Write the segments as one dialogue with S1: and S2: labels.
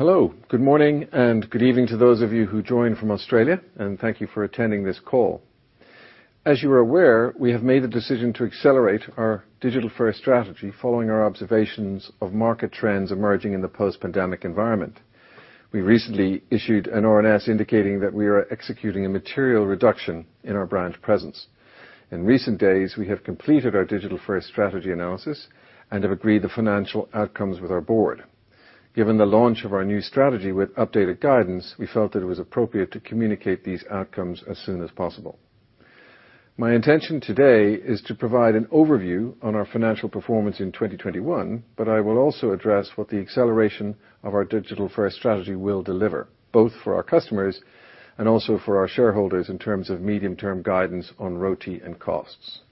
S1: Hello. Good morning, and good evening to those of you who joined from Australia, and thank you for attending this call. As you are aware, we have made the decision to accelerate our digital first strategy following our observations of market trends emerging in the post-pandemic environment. We recently issued an RNS indicating that we are executing a material reduction in our brand presence. In recent days, we have completed our digital first strategy analysis and have agreed the financial outcomes with our board. Given the launch of our new strategy with updated guidance, we felt that it was appropriate to communicate these outcomes as soon as possible. My intention today is to provide an overview on our financial performance in 2021, but I will also address what the acceleration of our digital first strategy will deliver, both for our customers and also for our shareholders in terms of medium term guidance on ROTI and costs.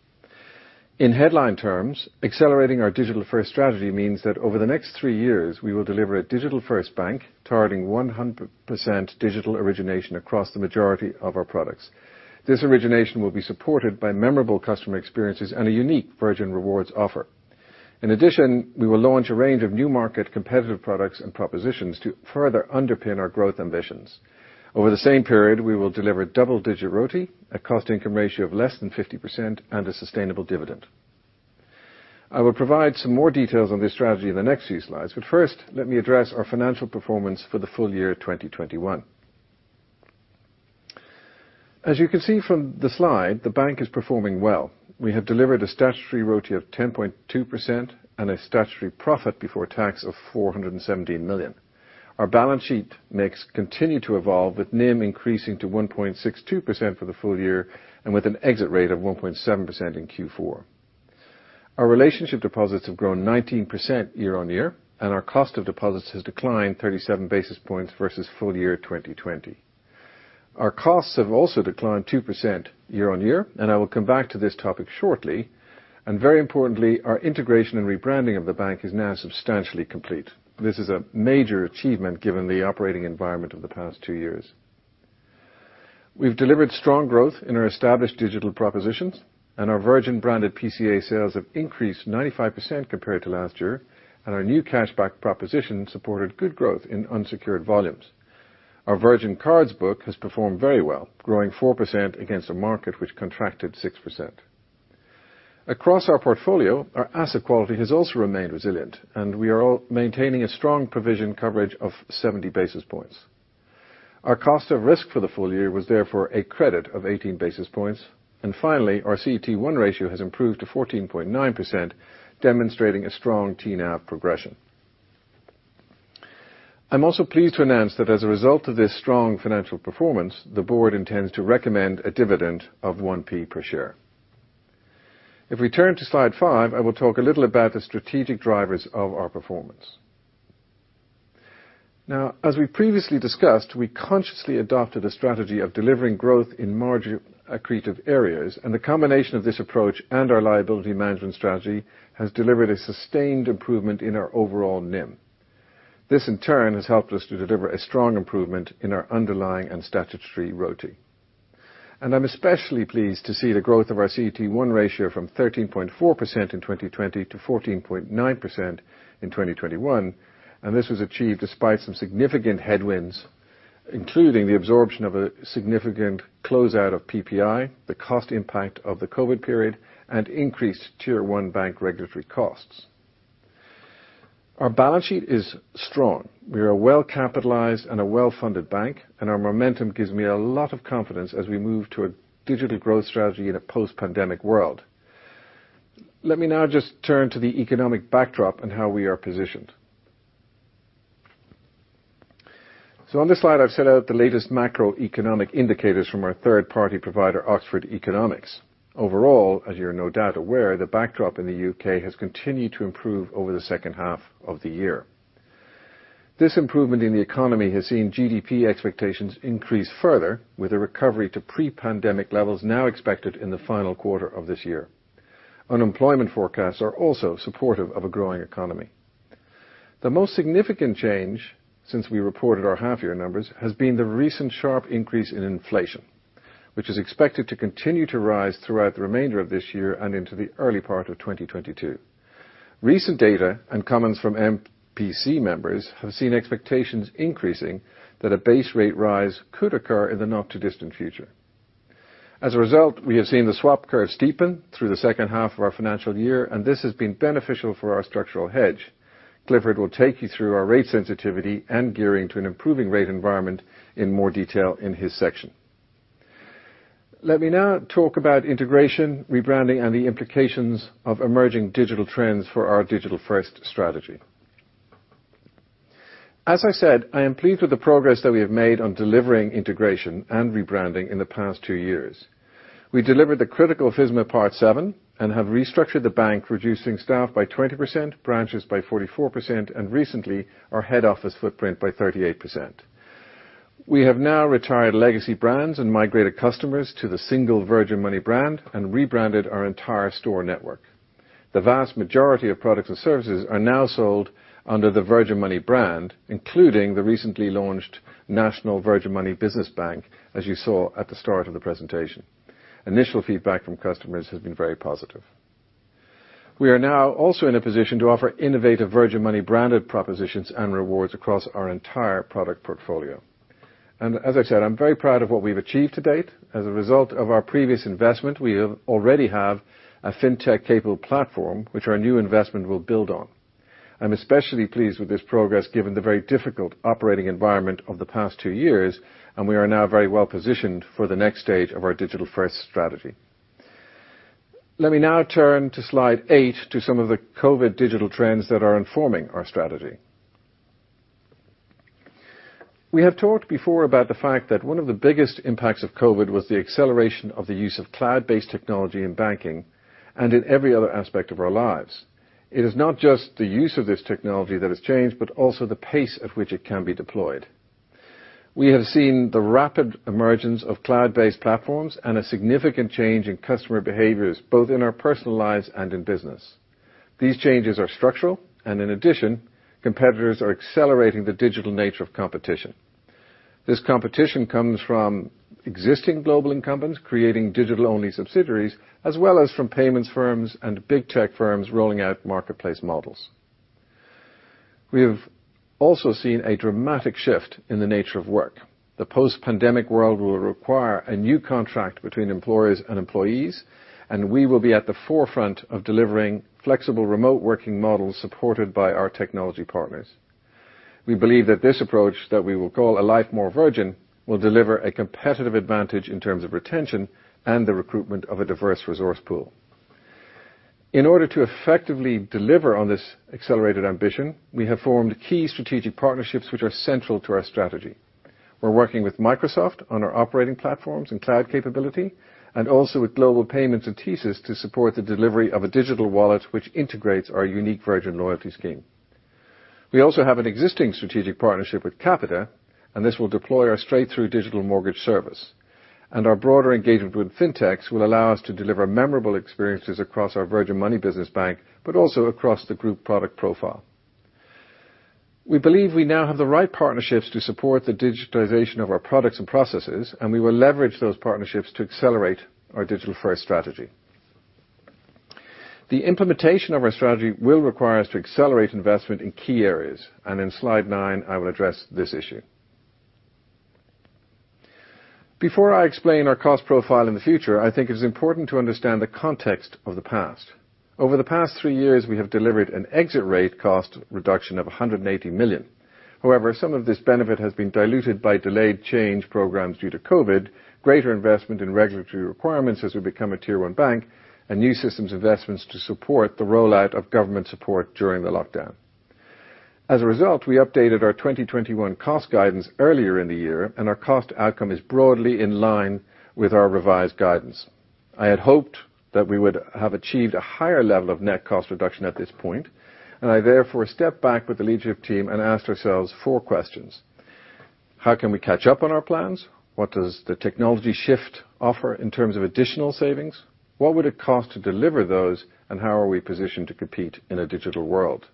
S1: In headline terms, accelerating our digital first strategy means that over the next three years, we will deliver a digital first bank targeting 100% digital origination across the majority of our products. This origination will be supported by memorable customer experiences and a unique Virgin Rewards offer. In addition, we will launch a range of new market competitive products and propositions to further underpin our growth ambitions. Over the same period, we will deliver double-digit ROTI, a cost income ratio of less than 50%, and a sustainable dividend. I will provide some more details on this strategy in the next few slides, but first let me address our financial performance for the full year 2021. As you can see from the slide, the bank is performing well. We have delivered a statutory ROTI of 10.2% and a statutory profit before tax of 417 million. Our balance sheet mix continued to evolve, with NIM increasing to 1.62% for the full year and with an exit rate of 1.7% in Q4. Our relationship deposits have grown 19% year on year, and our cost of deposits has declined 37 basis points versus full year 2020. Our costs have also declined 2% year on year, and I will come back to this topic shortly. Very importantly, our integration and rebranding of the bank is now substantially complete. This is a major achievement given the operating environment of the past two years. We've delivered strong growth in our established digital propositions and our Virgin branded PCA sales have increased 95% compared to last year, and our new cashback proposition supported good growth in unsecured volumes. Our Virgin cards book has performed very well, growing 4% against a market which contracted 6%. Across our portfolio, our asset quality has also remained resilient, and we are all maintaining a strong provision coverage of 70 basis points. Our cost of risk for the full year was therefore a credit of 18 basis points. Finally, our CET1 ratio has improved to 14.9%, demonstrating a strong TNAV progression.
S2: I'm also pleased to announce that as a result of this strong financial performance, the board intends to recommend a dividend of 1p per share. If we turn to slide five, I will talk a little about the strategic drivers of our performance. Now, as we previously discussed, we consciously adopted a strategy of delivering growth in margin accretive areas, and the combination of this approach and our liability management strategy has delivered a sustained improvement in our overall NIM. This, in turn, has helped us to deliver a strong improvement in our underlying and statutory ROTI.
S1: I'm especially pleased to see the growth of our CET1 ratio from 13.4% in 2020-14.9% in 2021, and this was achieved despite some significant headwinds, including the absorption of a significant close out of PPI, the cost impact of the COVID period, and increased Tier one bank regulatory costs. Our balance sheet is strong. We are well capitalized and a well-funded bank, and our momentum gives me a lot of confidence as we move to a digital growth strategy in a post-pandemic world. Let me now just turn to the economic backdrop and how we are positioned. On this slide, I've set out the latest macroeconomic indicators from our third party provider, Oxford Economics. Overall, as you're no doubt aware, the backdrop in the U.K. has continued to improve over the second half of the year. This improvement in the economy has seen GDP expectations increase further with a recovery to pre-pandemic levels now expected in the final quarter of this year. Unemployment forecasts are also supportive of a growing economy. The most significant change since we reported our half year numbers has been the recent sharp increase in inflation, which is expected to continue to rise throughout the remainder of this year and into the early part of 2022. Recent data and comments from MPC members have seen expectations increasing that a base rate rise could occur in the not too distant future. As a result, we have seen the swap curve steepen through the second half of our financial year, and this has been beneficial for our structural hedge. Clifford will take you through our rate sensitivity and gearing to an improving rate environment in more detail in his section. Let me now talk about integration, rebranding, and the implications of emerging digital trends for our digital first strategy. As I said, I am pleased with the progress that we have made on delivering integration and rebranding in the past two years. We delivered the critical FSMA Part VII and have restructured the bank, reducing staff by 20%, branches by 44%, and recently, our head office footprint by 38%. We have now retired legacy brands and migrated customers to the single Virgin Money brand and rebranded our entire store network. The vast majority of products and services are now sold under the Virgin Money brand, including the recently launched national Virgin Money Business Bank, as you saw at the start of the presentation. Initial feedback from customers has been very positive. We are now also in a position to offer innovative Virgin Money branded propositions and rewards across our entire product portfolio. As I said, I'm very proud of what we've achieved to date. As a result of our previous investment, we already have a fintech capable platform, which our new investment will build on. I'm especially pleased with this progress given the very difficult operating environment of the past two years, and we are now very well positioned for the next stage of our digital first strategy. Let me now turn to slide eight to some of the COVID digital trends that are informing our strategy. We have talked before about the fact that one of the biggest impacts of COVID was the acceleration of the use of cloud-based technology in banking and in every other aspect of our lives. It is not just the use of this technology that has changed, but also the pace at which it can be deployed. We have seen the rapid emergence of cloud-based platforms and a significant change in customer behaviors, both in our personal lives and in business. These changes are structural, and in addition, competitors are accelerating the digital nature of competition. This competition comes from existing global incumbents creating digital-only subsidiaries, as well as from payments firms and big tech firms rolling out marketplace models. We have also seen a dramatic shift in the nature of work. The post-pandemic world will require a new contract between employers and employees, and we will be at the forefront of delivering flexible remote working models supported by our technology partners. We believe that this approach that we will call A Life More Virgin will deliver a competitive advantage in terms of retention and the recruitment of a diverse resource pool. In order to effectively deliver on this accelerated ambition, we have formed key strategic partnerships which are central to our strategy. We're working with Microsoft on our operating platforms and cloud capability, and also with Global Payments and TSYS to support the delivery of a digital wallet which integrates our unique Virgin loyalty scheme. We also have an existing strategic partnership with Capita, and this will deploy our straight-through digital mortgage service. Our broader engagement with Fintechs will allow us to deliver memorable experiences across our Virgin Money Business Bank, but also across the group product profile. We believe we now have the right partnerships to support the digitization of our products and processes, and we will leverage those partnerships to accelerate our digital first strategy. The implementation of our strategy will require us to accelerate investment in key areas, and in slide 9, I will address this issue. Before I explain our cost profile in the future, I think it is important to understand the context of the past. Over the past three years, we have delivered an exit rate cost reduction of 180 million. However, some of this benefit has been diluted by delayed change programs due to COVID, greater investment in regulatory requirements as we become a Tier 1 bank, and new systems investments to support the rollout of government support during the lockdown. As a result, we updated our 2021 cost guidance earlier in the year, and our cost outcome is broadly in line with our revised guidance. I had hoped that we would have achieved a higher level of net cost reduction at this point, and I therefore stepped back with the leadership team and asked ourselves four questions. How can we catch up on our plans? What does the technology shift offer in terms of additional savings? What would it cost to deliver those, and how are we positioned to compete in a digital world?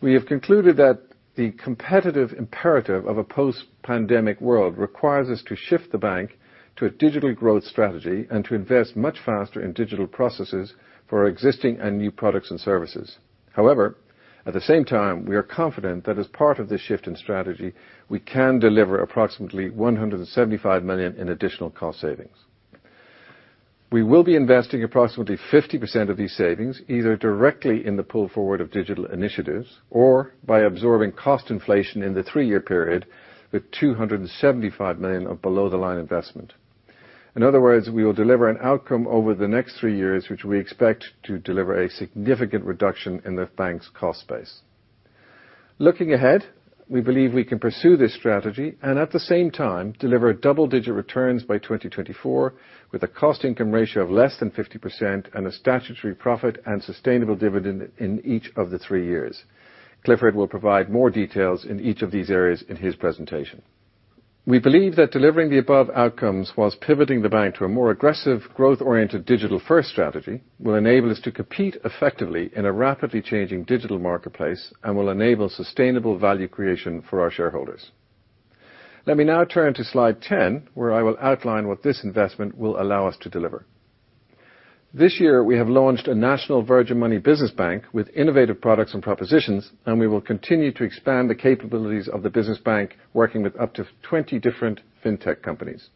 S1: We have concluded that the competitive imperative of a post-pandemic world requires us to shift the bank to a digital growth strategy and to invest much faster in digital processes for our existing and new products and services. However, at the same time, we are confident that as part of this shift in strategy, we can deliver approximately 175 million in additional cost savings. We will be investing approximately 50% of these savings, either directly in the pull forward of digital initiatives or by absorbing cost inflation in the three-year period with 275 million of below the line investment. In other words, we will deliver an outcome over the next three years, which we expect to deliver a significant reduction in the bank's cost base. Looking ahead, we believe we can pursue this strategy and at the same time deliver double-digit returns by 2024 with a cost income ratio of less than 50% and a statutory profit and sustainable dividend in each of the three years. Clifford will provide more details in each of these areas in his presentation. We believe that delivering the above outcomes while pivoting the bank to a more aggressive, growth-oriented digital first strategy will enable us to compete effectively in a rapidly changing digital marketplace and will enable sustainable value creation for our shareholders. Let me now turn to slide 10, where I will outline what this investment will allow us to deliver. This year, we have launched a national Virgin Money Business Bank with innovative products and propositions, and we will continue to expand the capabilities of the business bank, working with up to 20 different fintech companies.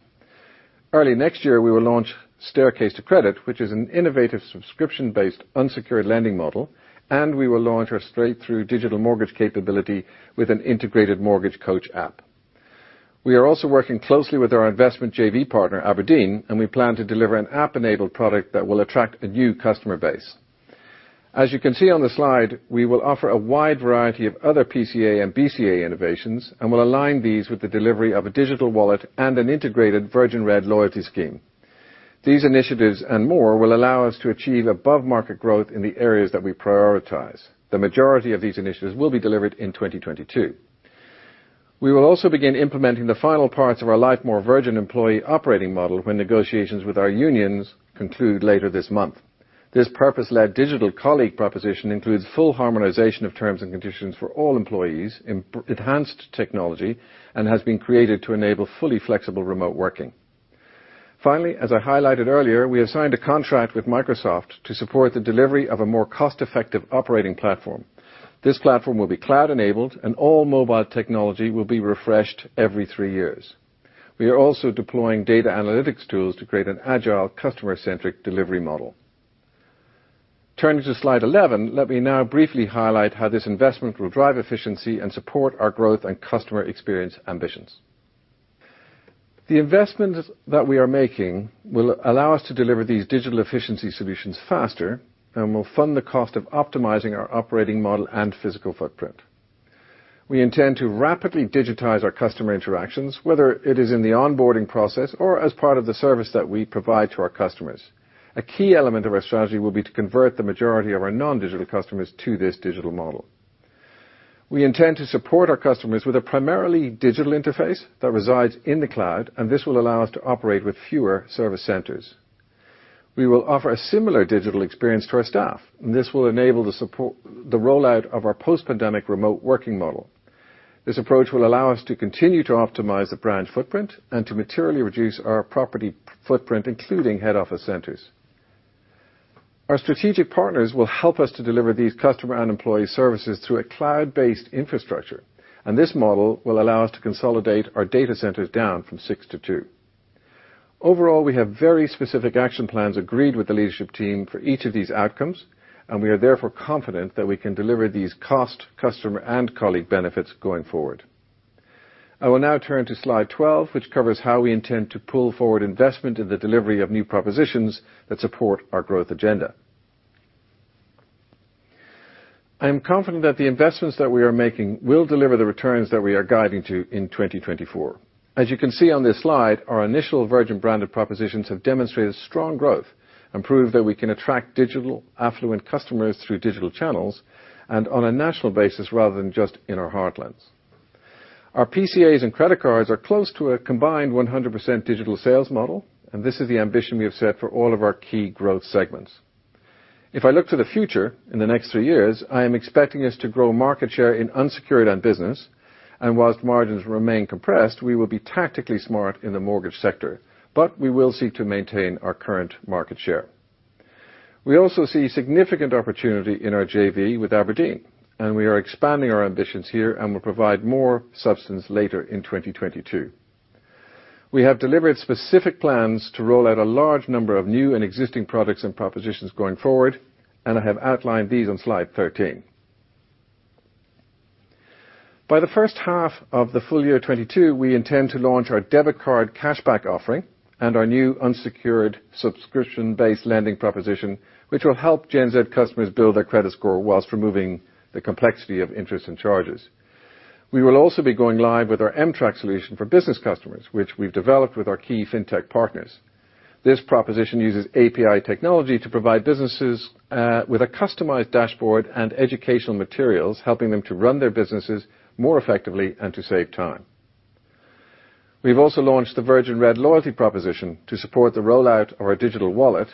S1: Early next year, we will launch Staircase to Credit, which is an innovative subscription-based unsecured lending model, and we will launch our straight-through digital mortgage capability with an integrated Home Buying Coach. We are also working closely with our investment JV partner, abrdn, and we plan to deliver an app-enabled product that will attract a new customer base. As you can see on the slide, we will offer a wide variety of other PCA and BCA innovations and will align these with the delivery of a digital wallet and an integrated Virgin Red loyalty scheme. These initiatives and more will allow us to achieve above market growth in the areas that we prioritize. The majority of these initiatives will be delivered in 2022. We will also begin implementing the final parts of our A Life More Virgin employee operating model when negotiations with our unions conclude later this month. This purpose-led digital colleague proposition includes full harmonization of terms and conditions for all employees, enhanced technology, and has been created to enable fully flexible remote working. Finally, as I highlighted earlier, we have signed a contract with Microsoft to support the delivery of a more cost-effective operating platform. This platform will be cloud-enabled, and all mobile technology will be refreshed every three years. We are also deploying data analytics tools to create an agile, customer-centric delivery model. Turning to slide 11, let me now briefly highlight how this investment will drive efficiency and support our growth and customer experience ambitions. The investments that we are making will allow us to deliver these digital efficiency solutions faster and will fund the cost of optimizing our operating model and physical footprint. We intend to rapidly digitize our customer interactions, whether it is in the onboarding process or as part of the service that we provide to our customers. A key element of our strategy will be to convert the majority of our non-digital customers to this digital model. We intend to support our customers with a primarily digital interface that resides in the cloud, and this will allow us to operate with fewer service centers. We will offer a similar digital experience to our staff. This will enable the rollout of our post-pandemic remote working model. This approach will allow us to continue to optimize the branch footprint and to materially reduce our property footprint, including head office centers. Our strategic partners will help us to deliver these customer and employee services through a cloud-based infrastructure, and this model will allow us to consolidate our data centers down from 6-2. Overall, we have very specific action plans agreed with the leadership team for each of these outcomes, and we are therefore confident that we can deliver these cost, customer, and colleague benefits going forward. I will now turn to slide 12, which covers how we intend to pull forward investment in the delivery of new propositions that support our growth agenda. I am confident that the investments that we are making will deliver the returns that we are guiding to in 2024. As you can see on this slide, our initial Virgin branded propositions have demonstrated strong growth and proved that we can attract digital affluent customers through digital channels and on a national basis rather than just in our heartlands. Our PCAs and credit cards are close to a combined 100% digital sales model, and this is the ambition we have set for all of our key growth segments. If I look to the future, in the next three years, I am expecting us to grow market share in unsecured and business, and whilst margins remain compressed, we will be tactically smart in the mortgage sector. We will seek to maintain our current market share. We also see significant opportunity in our JV with abrdn, and we are expanding our ambitions here and will provide more substance later in 2022. We have delivered specific plans to roll out a large number of new and existing products and propositions going forward, and I have outlined these on slide 13. By the first half of the full year 2022, we intend to launch our debit card cashback offering and our new unsecured subscription-based lending proposition, which will help Gen Z customers build their credit score while removing the complexity of interest and charges. We will also be going live with our M-Track solution for business customers, which we've developed with our key fintech partners. This proposition uses API technology to provide businesses with a customized dashboard and educational materials, helping them to run their businesses more effectively and to save time. We've also launched the Virgin Red loyalty proposition to support the rollout of our digital wallet,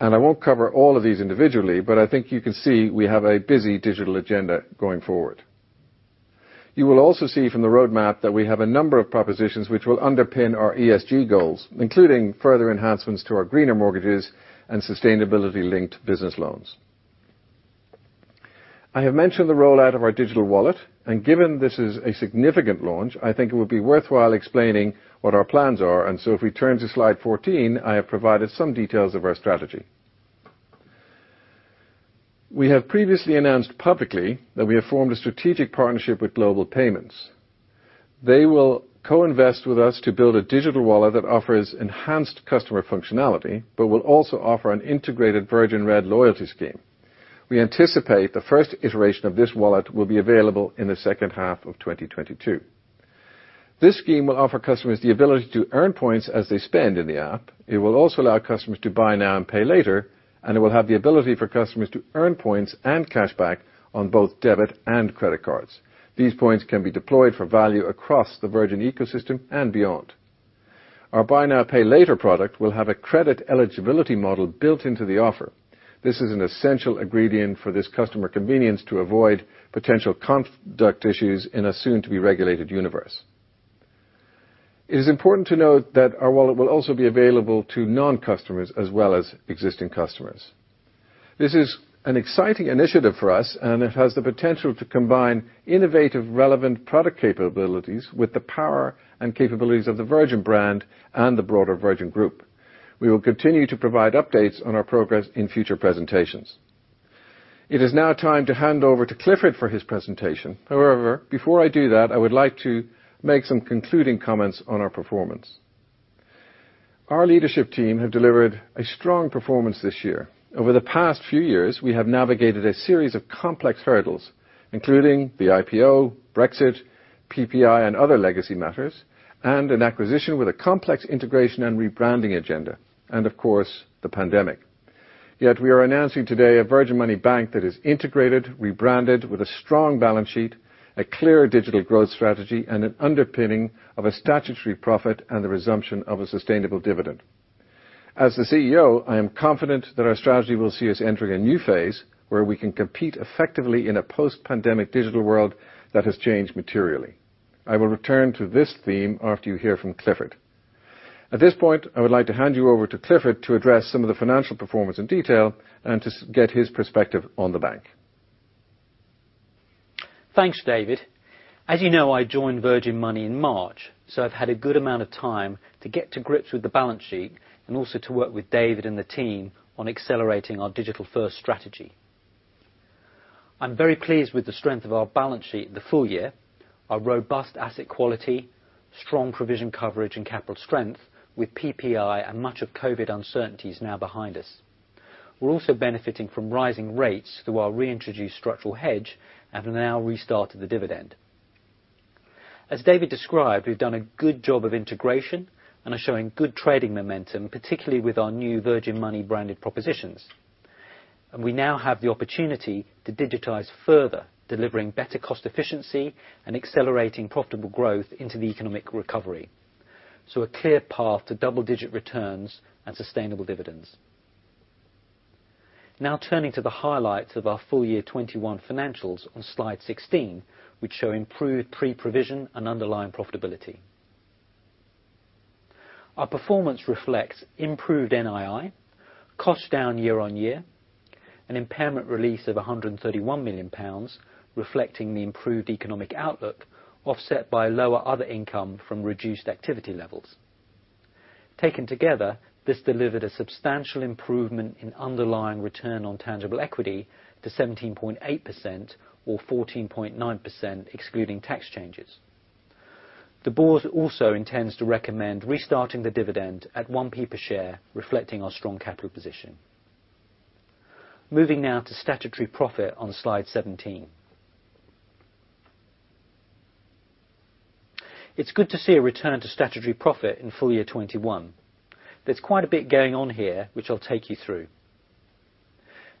S1: and I won't cover all of these individually, but I think you can see we have a busy digital agenda going forward. You will also see from the roadmap that we have a number of propositions which will underpin our ESG goals, including further enhancements to our Greener Mortgages and sustainability-linked business loans. I have mentioned the rollout of our digital wallet, and given this is a significant launch, I think it would be worthwhile explaining what our plans are. If we turn to slide 14, I have provided some details of our strategy. We have previously announced publicly that we have formed a strategic partnership with Global Payments. They will co-invest with us to build a digital wallet that offers enhanced customer functionality, but will also offer an integrated Virgin Red loyalty scheme. We anticipate the first iteration of this wallet will be available in the second half of 2022. This scheme will offer customers the ability to earn points as they spend in the app. It will also allow customers to buy now and pay later, and it will have the ability for customers to earn points and cashback on both debit and credit cards. These points can be deployed for value across the Virgin ecosystem and beyond. Our buy now, pay later product will have a credit eligibility model built into the offer. This is an essential ingredient for this customer convenience to avoid potential conduct issues in a soon-to-be-regulated universe. It is important to note that our wallet will also be available to non-customers as well as existing customers. This is an exciting initiative for us, and it has the potential to combine innovative, relevant product capabilities with the power and capabilities of the Virgin brand and the broader Virgin Group. We will continue to provide updates on our progress in future presentations. It is now time to hand over to Clifford for his presentation. However, before I do that, I would like to make some concluding comments on our performance. Our leadership team have delivered a strong performance this year. Over the past few years, we have navigated a series of complex hurdles, including the IPO, Brexit, PPI and other legacy matters, and an acquisition with a complex integration and rebranding agenda and, of course, the pandemic. Yet we are announcing today a Virgin Money bank that is integrated, rebranded with a strong balance sheet, a clear digital growth strategy, and an underpinning of a statutory profit and the resumption of a sustainable dividend. As the CEO, I am confident that our strategy will see us entering a new phase where we can compete effectively in a post-pandemic digital world that has changed materially. I will return to this theme after you hear from Clifford. At this point, I would like to hand you over to Clifford to address some of the financial performance in detail and to get his perspective on the bank.
S3: Thanks, David. As you know, I joined Virgin Money in March, so I've had a good amount of time to get to grips with the balance sheet and also to work with David and the team on accelerating our digital first strategy. I'm very pleased with the strength of our balance sheet in the full year, our robust asset quality, strong provision coverage, and capital strength with PPI and much of COVID uncertainties now behind us. We're also benefiting from rising rates through our reintroduced structural hedge and have now restarted the dividend. As David described, we've done a good job of integration and are showing good trading momentum, particularly with our new Virgin Money branded propositions. We now have the opportunity to digitize further, delivering better cost efficiency and accelerating profitable growth into the economic recovery. A clear path to double digit returns and sustainable dividends. Now turning to the highlights of our full year 2021 financials on slide 16, which show improved pre-provision and underlying profitability. Our performance reflects improved NII, cost down year on year, an impairment release of 131 million pounds reflecting the improved economic outlook, offset by lower other income from reduced activity levels. Taken together, this delivered a substantial improvement in underlying return on tangible equity to 17.8% or 14.9% excluding tax changes. The board also intends to recommend restarting the dividend at 1p per share, reflecting our strong capital position. Moving now to statutory profit on slide 17. It's good to see a return to statutory profit in full year 2021. There's quite a bit going on here, which I'll take you through.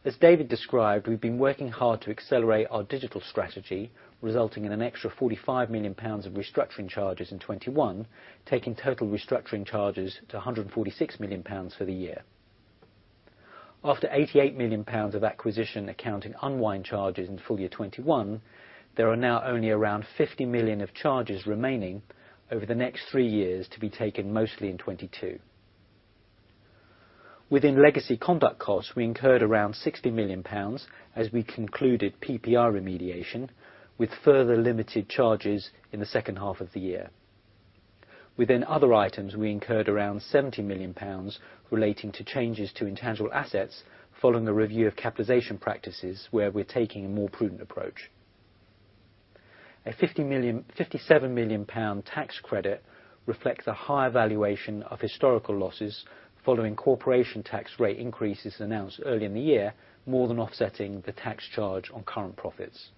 S3: As David described, we've been working hard to accelerate our digital strategy, resulting in an extra 45 million pounds of restructuring charges in 2021, taking total restructuring charges to 146 million pounds for the year. After 88 million pounds of acquisition accounting unwind charges in full year 2021, there are now only around 50 million of charges remaining over the next three years to be taken mostly in 2022. Within legacy conduct costs, we incurred around 60 million pounds as we concluded PPI remediation, with further limited charges in the second half of the year. Within other items, we incurred around 70 million pounds relating to changes to intangible assets following a review of capitalization practices where we're taking a more prudent approach. 57 million pound tax credit reflects a higher valuation of historical losses following corporation tax rate increases announced early in the year, more than offsetting the tax charge on current profits.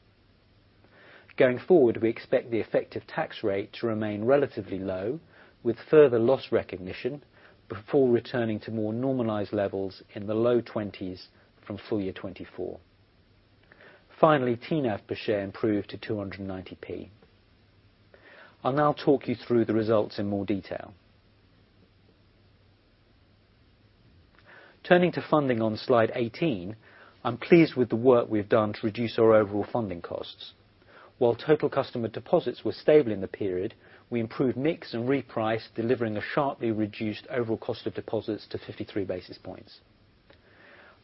S3: Going forward, we expect the effective tax rate to remain relatively low with further loss recognition before returning to more normalized levels in the low 20s% from FY 2024. Finally, TNAV per share improved to 290p. I'll now talk you through the results in more detail. Turning to funding on slide 18, I'm pleased with the work we've done to reduce our overall funding costs. While total customer deposits were stable in the period, we improved mix and reprice, delivering a sharply reduced overall cost of deposits to 53 basis points.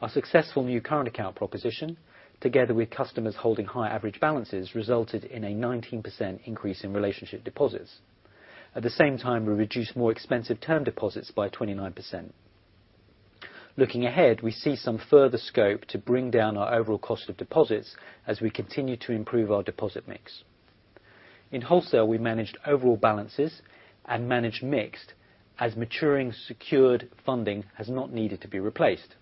S3: Our successful new current account proposition, together with customers holding high average balances, resulted in a 19% increase in relationship deposits. At the same time, we reduced more expensive term deposits by 29%. Looking ahead, we see some further scope to bring down our overall cost of deposits as we continue to improve our deposit mix. In wholesale, we managed overall balances and managed mix as maturing secured funding has not needed to be replaced.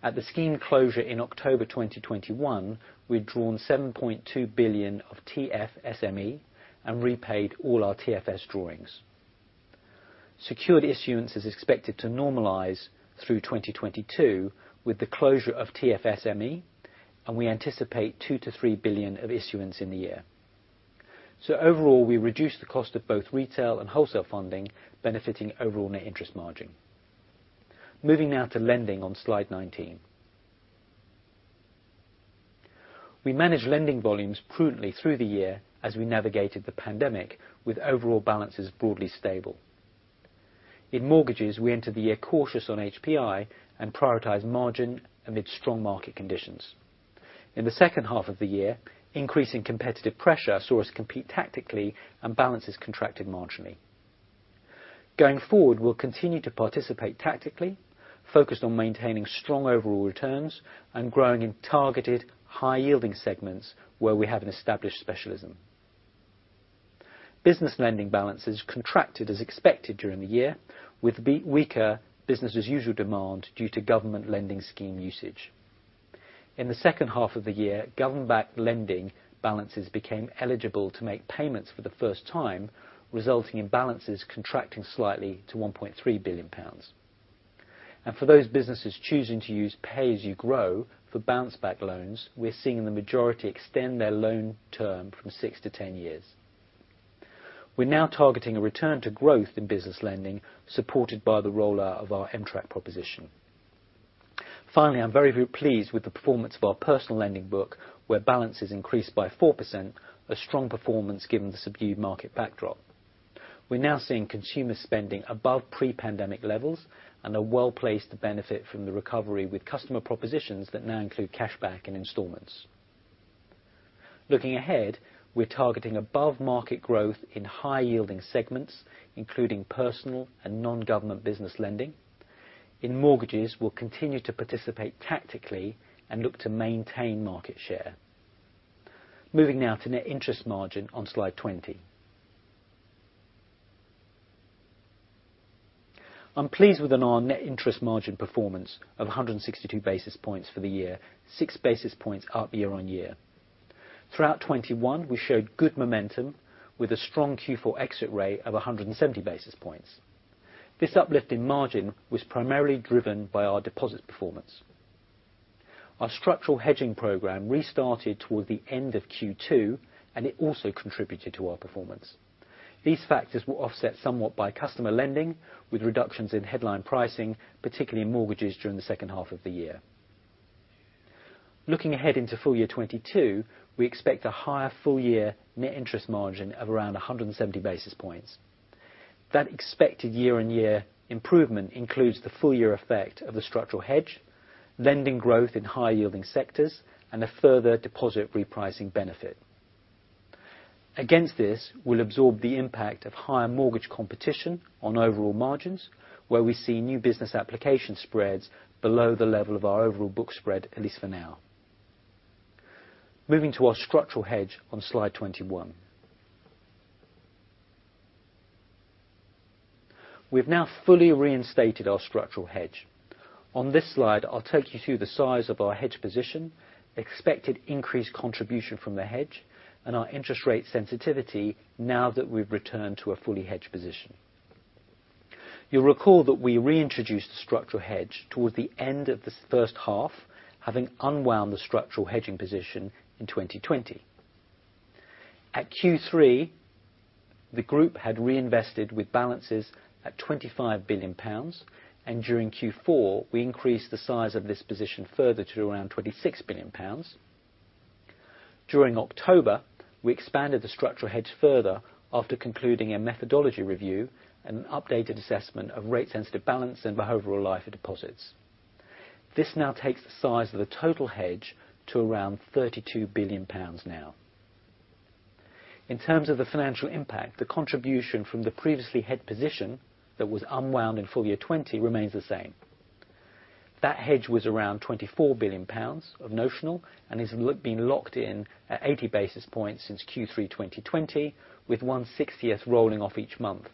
S3: At the scheme closure in October 2021, we'd drawn 7.2 billion of TFSME and repaid all our TFS drawings. Secured issuance is expected to normalize through 2022 with the closure of TFSME, and we anticipate 2-3 billion of issuance in the year. Overall, we reduced the cost of both retail and wholesale funding, benefiting overall net interest margin. Moving now to lending on slide 19.
S4: We managed lending volumes prudently through the year as we navigated the pandemic with overall balances broadly stable. In mortgages, we entered the year cautious on HPI and prioritized margin amid strong market conditions. In the second half of the year, increasing competitive pressure saw us compete tactically and balances contracted marginally. Going forward, we'll continue to participate tactically, focused on maintaining strong overall returns and growing in targeted high yielding segments where we have an established specialism. Business lending balances contracted as expected during the year with weaker business as usual demand due to government lending scheme usage. In the second half of the year, government backed lending balances became eligible to make payments for the first time, resulting in balances contracting slightly to 1.3 billion pounds.
S3: For those businesses choosing to use Pay As You Grow for Bounce Back Loans, we're seeing the majority extend their loan term from 6-10 years. We're now targeting a return to growth in business lending, supported by the rollout of our M-Track proposition. Finally, I'm very pleased with the performance of our personal lending book, where balances increased by 4%. A strong performance given the subdued market backdrop. We're now seeing consumer spending above pre-pandemic levels, and are well placed to benefit from the recovery with customer propositions that now include cash back and installments. Looking ahead, we're targeting above-market growth in high-yielding segments, including personal and non-government business lending. In mortgages, we'll continue to participate tactically and look to maintain market share. Moving now to net interest margin on slide 20. I'm pleased with our net interest margin performance of 162 basis points for the year, 6 basis points up year-on-year. Throughout 2021 we showed good momentum with a strong Q4 exit rate of 170 basis points. This uplift in margin was primarily driven by our deposits performance. Our structural hedging program restarted towards the end of Q2, and it also contributed to our performance. These factors were offset somewhat by customer lending, with reductions in headline pricing, particularly in mortgages during the second half of the year. Looking ahead into full year 2022, we expect a higher full year net interest margin of around 170 basis points. That expected year-on-year improvement includes the full year effect of the structural hedge, lending growth in higher yielding sectors, and a further deposit repricing benefit. Against this, we'll absorb the impact of higher mortgage competition on overall margins, where we see new business application spreads below the level of our overall book spread, at least for now. Moving to our structural hedge on slide 21. We've now fully reinstated our structural hedge. On this slide, I'll take you through the size of our hedge position, expected increased contribution from the hedge, and our interest rate sensitivity now that we've returned to a fully hedged position. You'll recall that we reintroduced the structural hedge towards the end of the first half, having unwound the structural hedging position in 2020. At Q3, the group had reinvested with balances at 25 billion pounds, and during Q4 we increased the size of this position further to around 26 billion pounds.
S5: During October, we expanded the structural hedge further after concluding a methodology review and an updated assessment of rate sensitive balance and our overall life of deposits. This now takes the size of the total hedge to around 32 billion pounds. In terms of the financial impact, the contribution from the previously hedged position that was unwound in full year 2020 remains the same. That hedge was around 24 billion pounds of notional, and has been locked in at 80 basis points since Q3 2020, with one-sixtieth rolling off each month.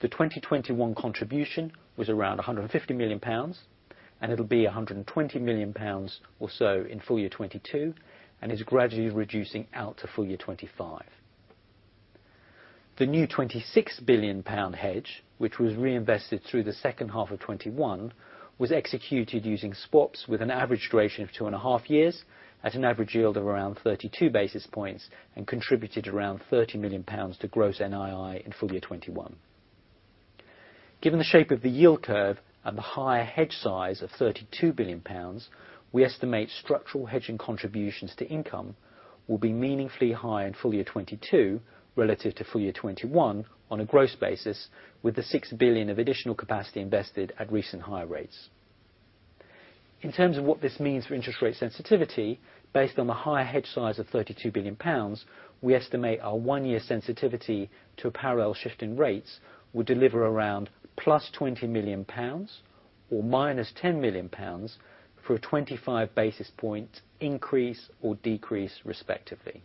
S5: The 2021 contribution was around 150 million pounds, and it'll be 120 million pounds or so in full year 2022, and is gradually reducing out to full year 2025.
S3: The new 26 billion pound hedge, which was reinvested through the second half of 2021, was executed using swaps with an average duration of 2.5 years at an average yield of around 32 basis points, and contributed around 30 million pounds to gross NII in full year 2021. Given the shape of the yield curve and the higher hedge size of 32 billion pounds, we estimate structural hedging contributions to income will be meaningfully higher in full year 2022 relative to full year 2021 on a gross basis with the 6 billion of additional capacity invested at recent higher rates. In terms of what this means for interest rate sensitivity, based on the higher hedge size of 32 billion pounds, we estimate our one-year sensitivity to a parallel shift in rates will deliver around +20 million pounds or -10 million pounds for a 25 basis point increase or decrease respectively.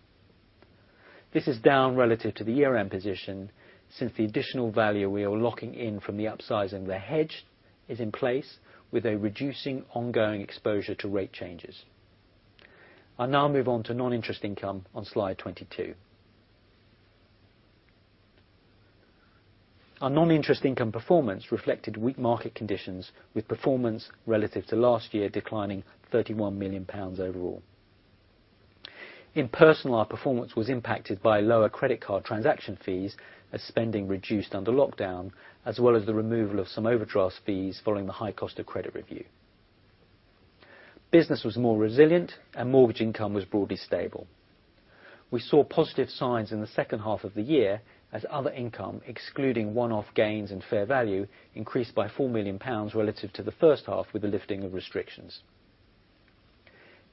S3: This is down relative to the year-end position since the additional value we are locking in from the upsize in the hedge is in place with a reducing ongoing exposure to rate changes. I'll now move on to non-interest income on slide 22. Our non-interest income performance reflected weak market conditions with performance relative to last year declining 31 million pounds overall. In personal, our performance was impacted by lower credit card transaction fees as spending reduced under lockdown, as well as the removal of some overdraft fees following the high cost of credit review. Business was more resilient and mortgage income was broadly stable. We saw positive signs in the second half of the year as other income, excluding one-off gains and fair value, increased by 4 million pounds relative to the first half with the lifting of restrictions.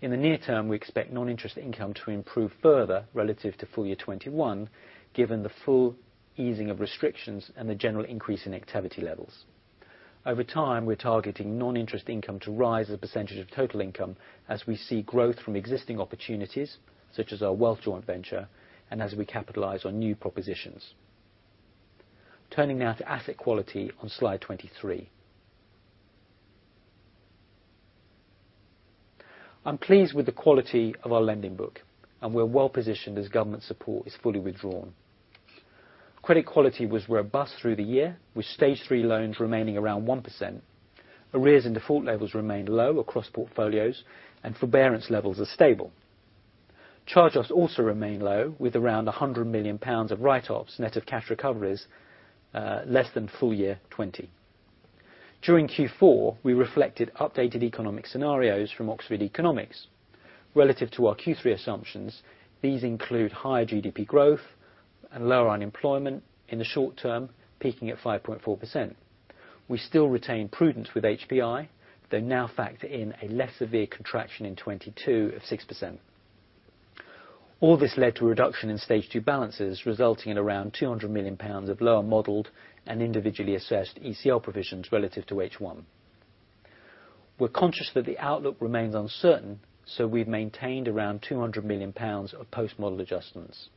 S3: In the near term, we expect non-interest income to improve further relative to full year 2021, given the full easing of restrictions and the general increase in activity levels. Over time, we're targeting non-interest income to rise as a percentage of total income as we see growth from existing opportunities, such as our wealth joint venture, and as we capitalize on new propositions. Turning now to asset quality on slide 23. I'm pleased with the quality of our lending book, and we're well positioned as government support is fully withdrawn. Credit quality was robust through the year, with stage three loans remaining around 1%. Arrears and default levels remain low across portfolios and forbearance levels are stable. Charge loss also remain low with around 100 million pounds of write-offs net of cash recoveries, less than full year 2020. During Q4, we reflected updated economic scenarios from Oxford Economics. Relative to our Q3 assumptions, these include higher GDP growth and lower unemployment in the short term, peaking at 5.4%. We still retain prudence with HPI, though now factor in a less severe contraction in 2022 of 6%. All this led to a reduction in stage two balances, resulting in around 200 million pounds of lower modeled and individually assessed ECL provisions relative to H1. We're conscious that the outlook remains uncertain, so we've maintained around 200 million pounds of post-model adjustments.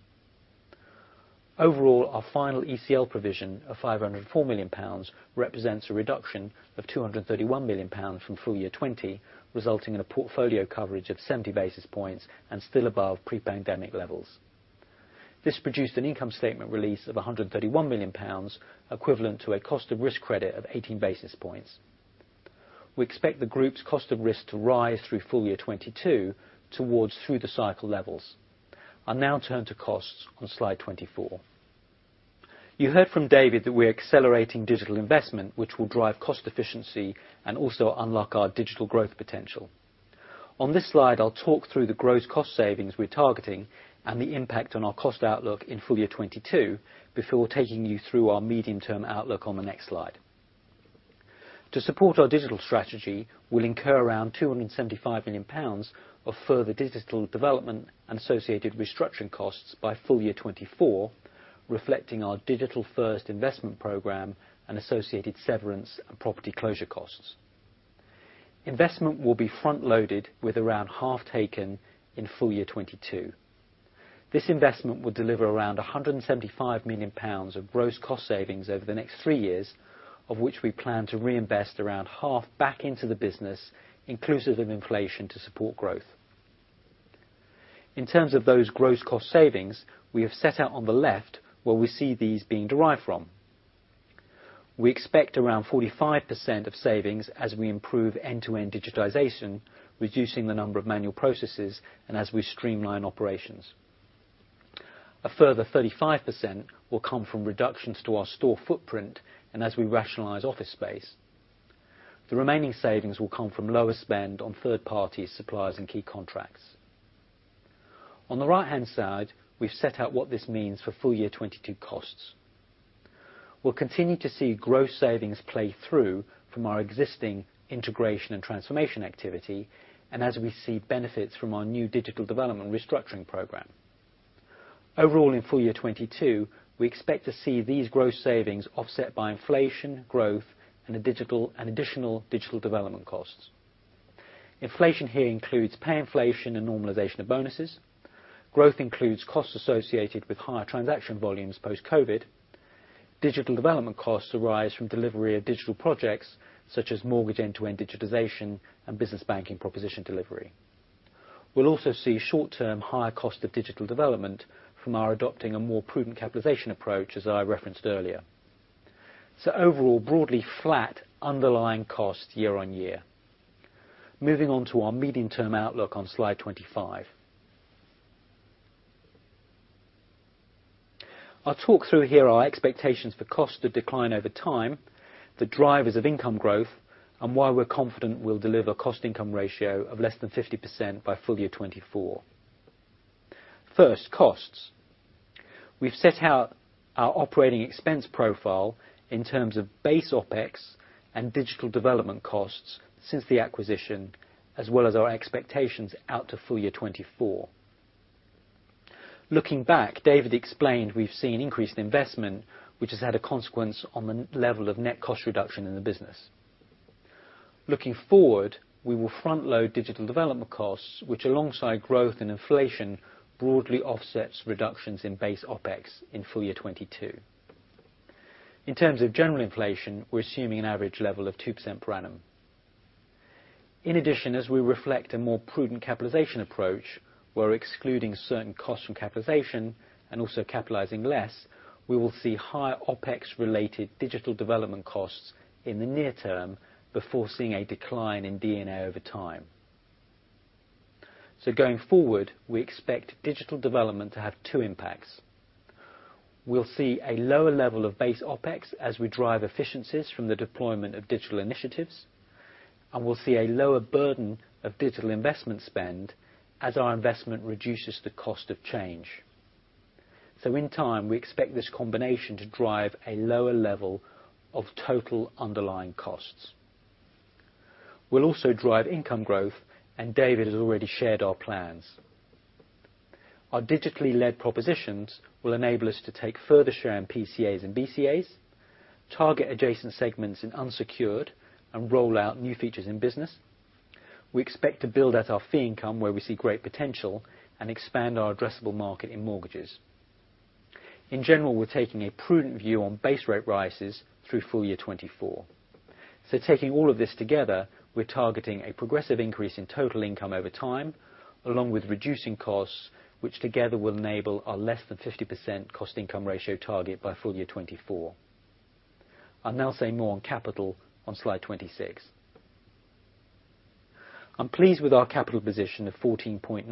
S3: Overall, our final ECL provision of 504 million pounds represents a reduction of 231 million pounds from FY 2020, resulting in a portfolio coverage of 70 basis points and still above pre-pandemic levels. This produced an income statement release of 131 million pounds, equivalent to a cost of risk credit of 18 basis points. We expect the group's cost of risk to rise through FY 2022 towards through-the-cycle levels. I'll now turn to costs on slide 24. You heard from David that we're accelerating digital investment, which will drive cost efficiency and also unlock our digital growth potential. On this slide, I'll talk through the gross cost savings we're targeting and the impact on our cost outlook in FY 2022 before taking you through our medium-term outlook on the next slide. To support our digital strategy, we'll incur around 275 million pounds of further digital development and associated restructuring costs by FY 2024, reflecting our digital first investment program and associated severance and property closure costs. Investment will be front-loaded with around half taken in FY 2022. This investment will deliver around 175 million pounds of gross cost savings over the next three years, of which we plan to reinvest around half back into the business, inclusive of inflation, to support growth. In terms of those gross cost savings, we have set out on the left where we see these being derived from. We expect around 45% of savings as we improve end-to-end digitization, reducing the number of manual processes, and as we streamline operations. A further 35% will come from reductions to our store footprint and as we rationalize office space. The remaining savings will come from lower spend on third parties, suppliers, and key contracts. On the right-hand side, we've set out what this means for full year 2022 costs. We'll continue to see gross savings play through from our existing integration and transformation activity and as we see benefits from our new digital development restructuring program. Overall, in full year 2022, we expect to see these gross savings offset by inflation, growth, and additional digital development costs. Inflation here includes pay inflation and normalization of bonuses. Growth includes costs associated with higher transaction volumes post-COVID. Digital development costs arise from delivery of digital projects such as mortgage end-to-end digitization and business banking proposition delivery. We'll also see short-term higher cost of digital development from our adopting a more prudent capitalization approach, as I referenced earlier. Overall, broadly flat underlying cost year on year. Moving on to our medium-term outlook on slide 25. I'll talk through here our expectations for cost to decline over time, the drivers of income growth, and why we're confident we'll deliver cost income ratio of less than 50% by FY 2024. First, costs. We've set out our operating expense profile in terms of base OpEx and digital development costs since the acquisition, as well as our expectations out to FY 2024. Looking back, David explained we've seen increased investment which has had a consequence on the marginal level of net cost reduction in the business. Looking forward, we will front-load digital development costs, which alongside growth and inflation broadly offsets reductions in base OpEx in full year 2022. In terms of general inflation, we're assuming an average level of 2% per annum. In addition, as we reflect a more prudent capitalization approach, we're excluding certain costs from capitalization and also capitalizing less. We will see higher OpEx related digital development costs in the near term before seeing a decline in D&A over time. Going forward, we expect digital development to have two impacts. We'll see a lower level of base OpEx as we drive efficiencies from the deployment of digital initiatives, and we'll see a lower burden of digital investment spend as our investment reduces the cost of change. In time, we expect this combination to drive a lower level of total underlying costs. We'll also drive income growth, and David has already shared our plans. Our digitally led propositions will enable us to take further share in PCAs and BCAs, target adjacent segments in unsecured, and roll out new features in business. We expect to build out our fee income where we see great potential and expand our addressable market in mortgages. In general, we're taking a prudent view on base rate rises through FY 2024. Taking all of this together, we're targeting a progressive increase in total income over time, along with reducing costs, which together will enable our less than 50% cost income ratio target by FY 2024. I'll now say more on capital on slide 26. I'm pleased with our capital position of 14.9%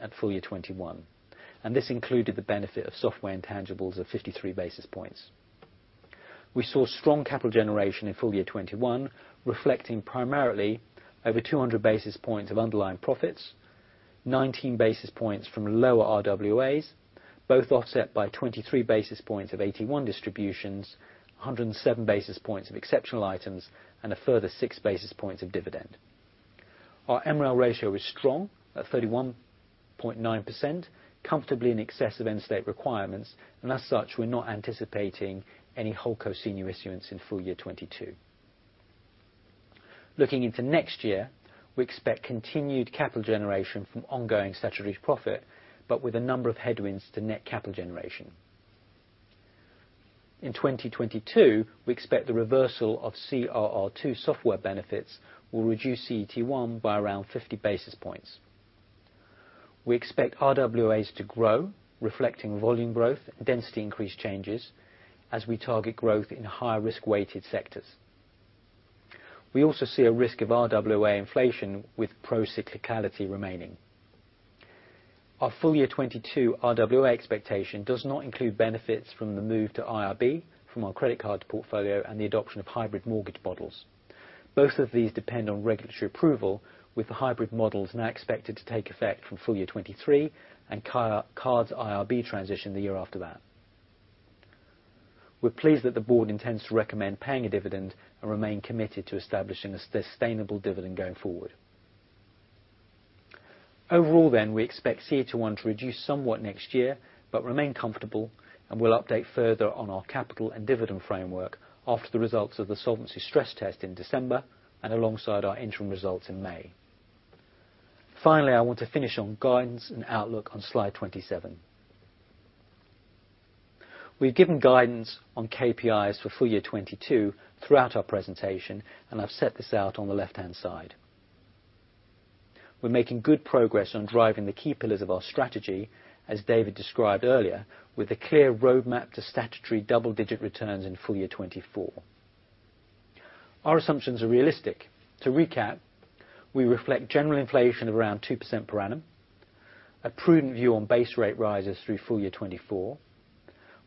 S3: at FY 2021, and this included the benefit of software intangibles of 53 basis points. We saw strong capital generation in full year 2021, reflecting primarily over 200 basis points of underlying profits, 19 basis points from lower RWAs, both offset by 23 basis points of AT1 distributions, 107 basis points of exceptional items and a further six basis points of dividend. Our MREL ratio is strong at 31.9%, comfortably in excess of end-state requirements. As such, we're not anticipating any HoldCo senior issuance in full year 2022. Looking into next year, we expect continued capital generation from ongoing statutory profit, but with a number of headwinds to net capital generation. In 2022, we expect the reversal of CRR2 software benefits will reduce CET1 by around 50 basis points. We expect RWAs to grow, reflecting volume growth, density increase changes as we target growth in higher risk weighted sectors. We also see a risk of RWA inflation with pro-cyclicality remaining. Our full year 2022 RWA expectation does not include benefits from the move to IRB from our credit card portfolio and the adoption of hybrid mortgage models. Both of these depend on regulatory approval, with the hybrid models now expected to take effect from full year 2023 and credit cards IRB transition the year after that. We're pleased that the board intends to recommend paying a dividend and remain committed to establishing a sustainable dividend going forward. Overall, we expect CET1 to reduce somewhat next year, but remain comfortable, and we'll update further on our capital and dividend framework after the results of the solvency stress test in December, and alongside our interim results in May. Finally, I want to finish on guidance and outlook on slide 27. We've given guidance on KPIs for full year 2022 throughout our presentation, and I've set this out on the left-hand side. We're making good progress on driving the key pillars of our strategy, as David described earlier, with a clear roadmap to statutory double-digit returns in full year 2024. Our assumptions are realistic. To recap, we reflect general inflation of around 2% per annum. A prudent view on base rate rises through full year 2024.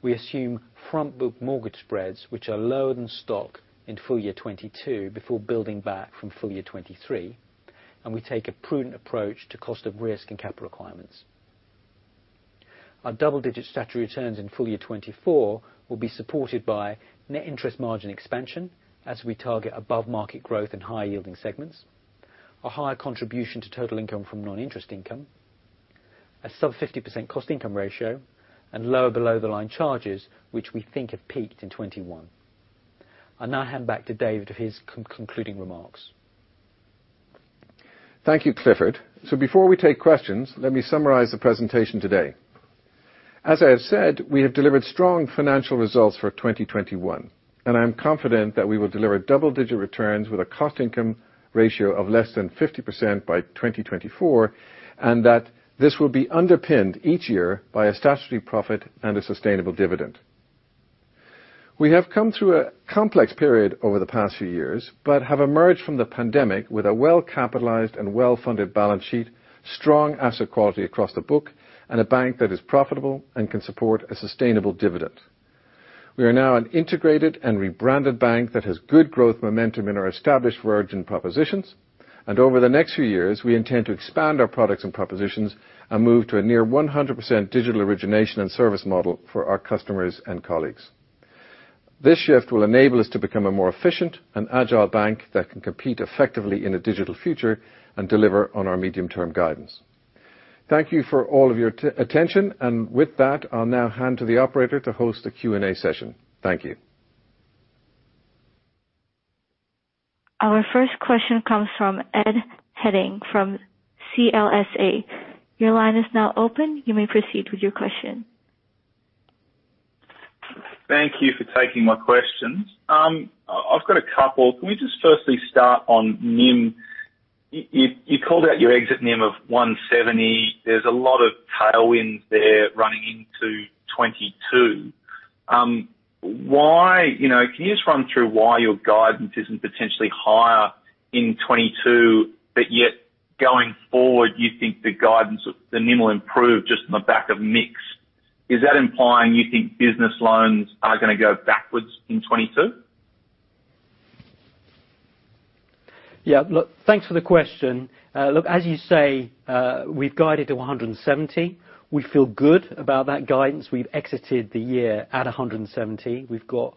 S3: We assume front book mortgage spreads, which are lower than stock in full year 2022 before building back from full year 2023. We take a prudent approach to cost of risk and capital requirements. Our double-digit statutory returns in full year 2024 will be supported by net interest margin expansion as we target above market growth and higher yielding segments. A higher contribution to total income from non-interest income. A sub-50% cost-income ratio and lower below-the-line charges, which we think have peaked in 2021. I'll now hand back to David with his concluding remarks.
S1: Thank you, Clifford. Before we take questions, let me summarize the presentation today. As I have said, we have delivered strong financial results for 2021, and I am confident that we will deliver double-digit returns with a cost income ratio of less than 50% by 2024, and that this will be underpinned each year by a statutory profit and a sustainable dividend. We have come through a complex period over the past few years, but have emerged from the pandemic with a well capitalized and well-funded balance sheet, strong asset quality across the book, and a bank that is profitable and can support a sustainable dividend. We are now an integrated and rebranded bank that has good growth momentum in our established Virgin propositions. Over the next few years, we intend to expand our products and propositions and move to a near 100% digital origination and service model for our customers and colleagues. This shift will enable us to become a more efficient and agile bank that can compete effectively in a digital future and deliver on our medium-term guidance. Thank you for all of your attention. With that, I'll now hand to the operator to host a Q&A session. Thank you.
S6: Our first question comes from Edward Firth from CLSA. Your line is now open. You may proceed with your question.
S7: Thank you for taking my questions. I've got a couple. Can we just firstly start on NIM? You called out your exit NIM of 170. There's a lot of tailwinds there running into 2022. You know, can you just run through why your guidance isn't potentially higher in 2022, but yet going forward, you think the guidance of the NIM will improve just on the back of mix. Is that implying you think business loans are gonna go backwards in 2022?
S3: Yeah. Look, thanks for the question. Look, as you say, we've guided to 170. We feel good about that guidance. We've exited the year at 170. We've got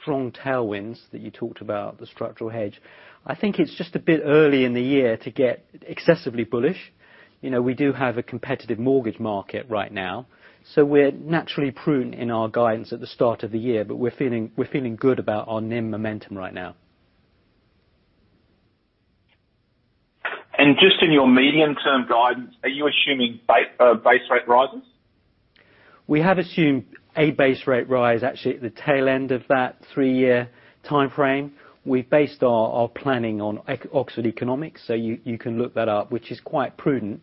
S3: strong tailwinds that you talked about, the structural hedge. I think it's just a bit early in the year to get excessively bullish. You know, we do have a competitive mortgage market right now. We're naturally prudent in our guidance at the start of the year, but we're feeling good about our NIM momentum right now.
S7: Just in your medium-term guidance, are you assuming base rate rises?
S3: We have assumed a base rate rise actually at the tail end of that three-year timeframe. We based our planning on Oxford Economics, so you can look that up, which is quite prudent.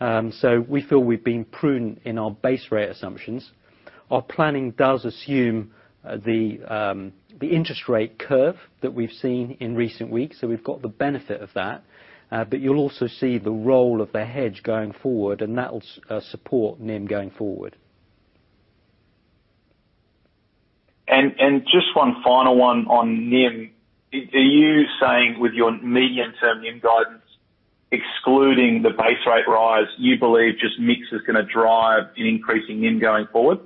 S3: We feel we've been prudent in our base rate assumptions. Our planning does assume the interest rate curve that we've seen in recent weeks, so we've got the benefit of that. You'll also see the role of the hedge going forward, and that'll support NIM going forward.
S7: Just one final one on NIM. Are you saying with your medium-term NIM guidance, excluding the base rate rise, you believe just mix is gonna drive an increasing NIM going forward?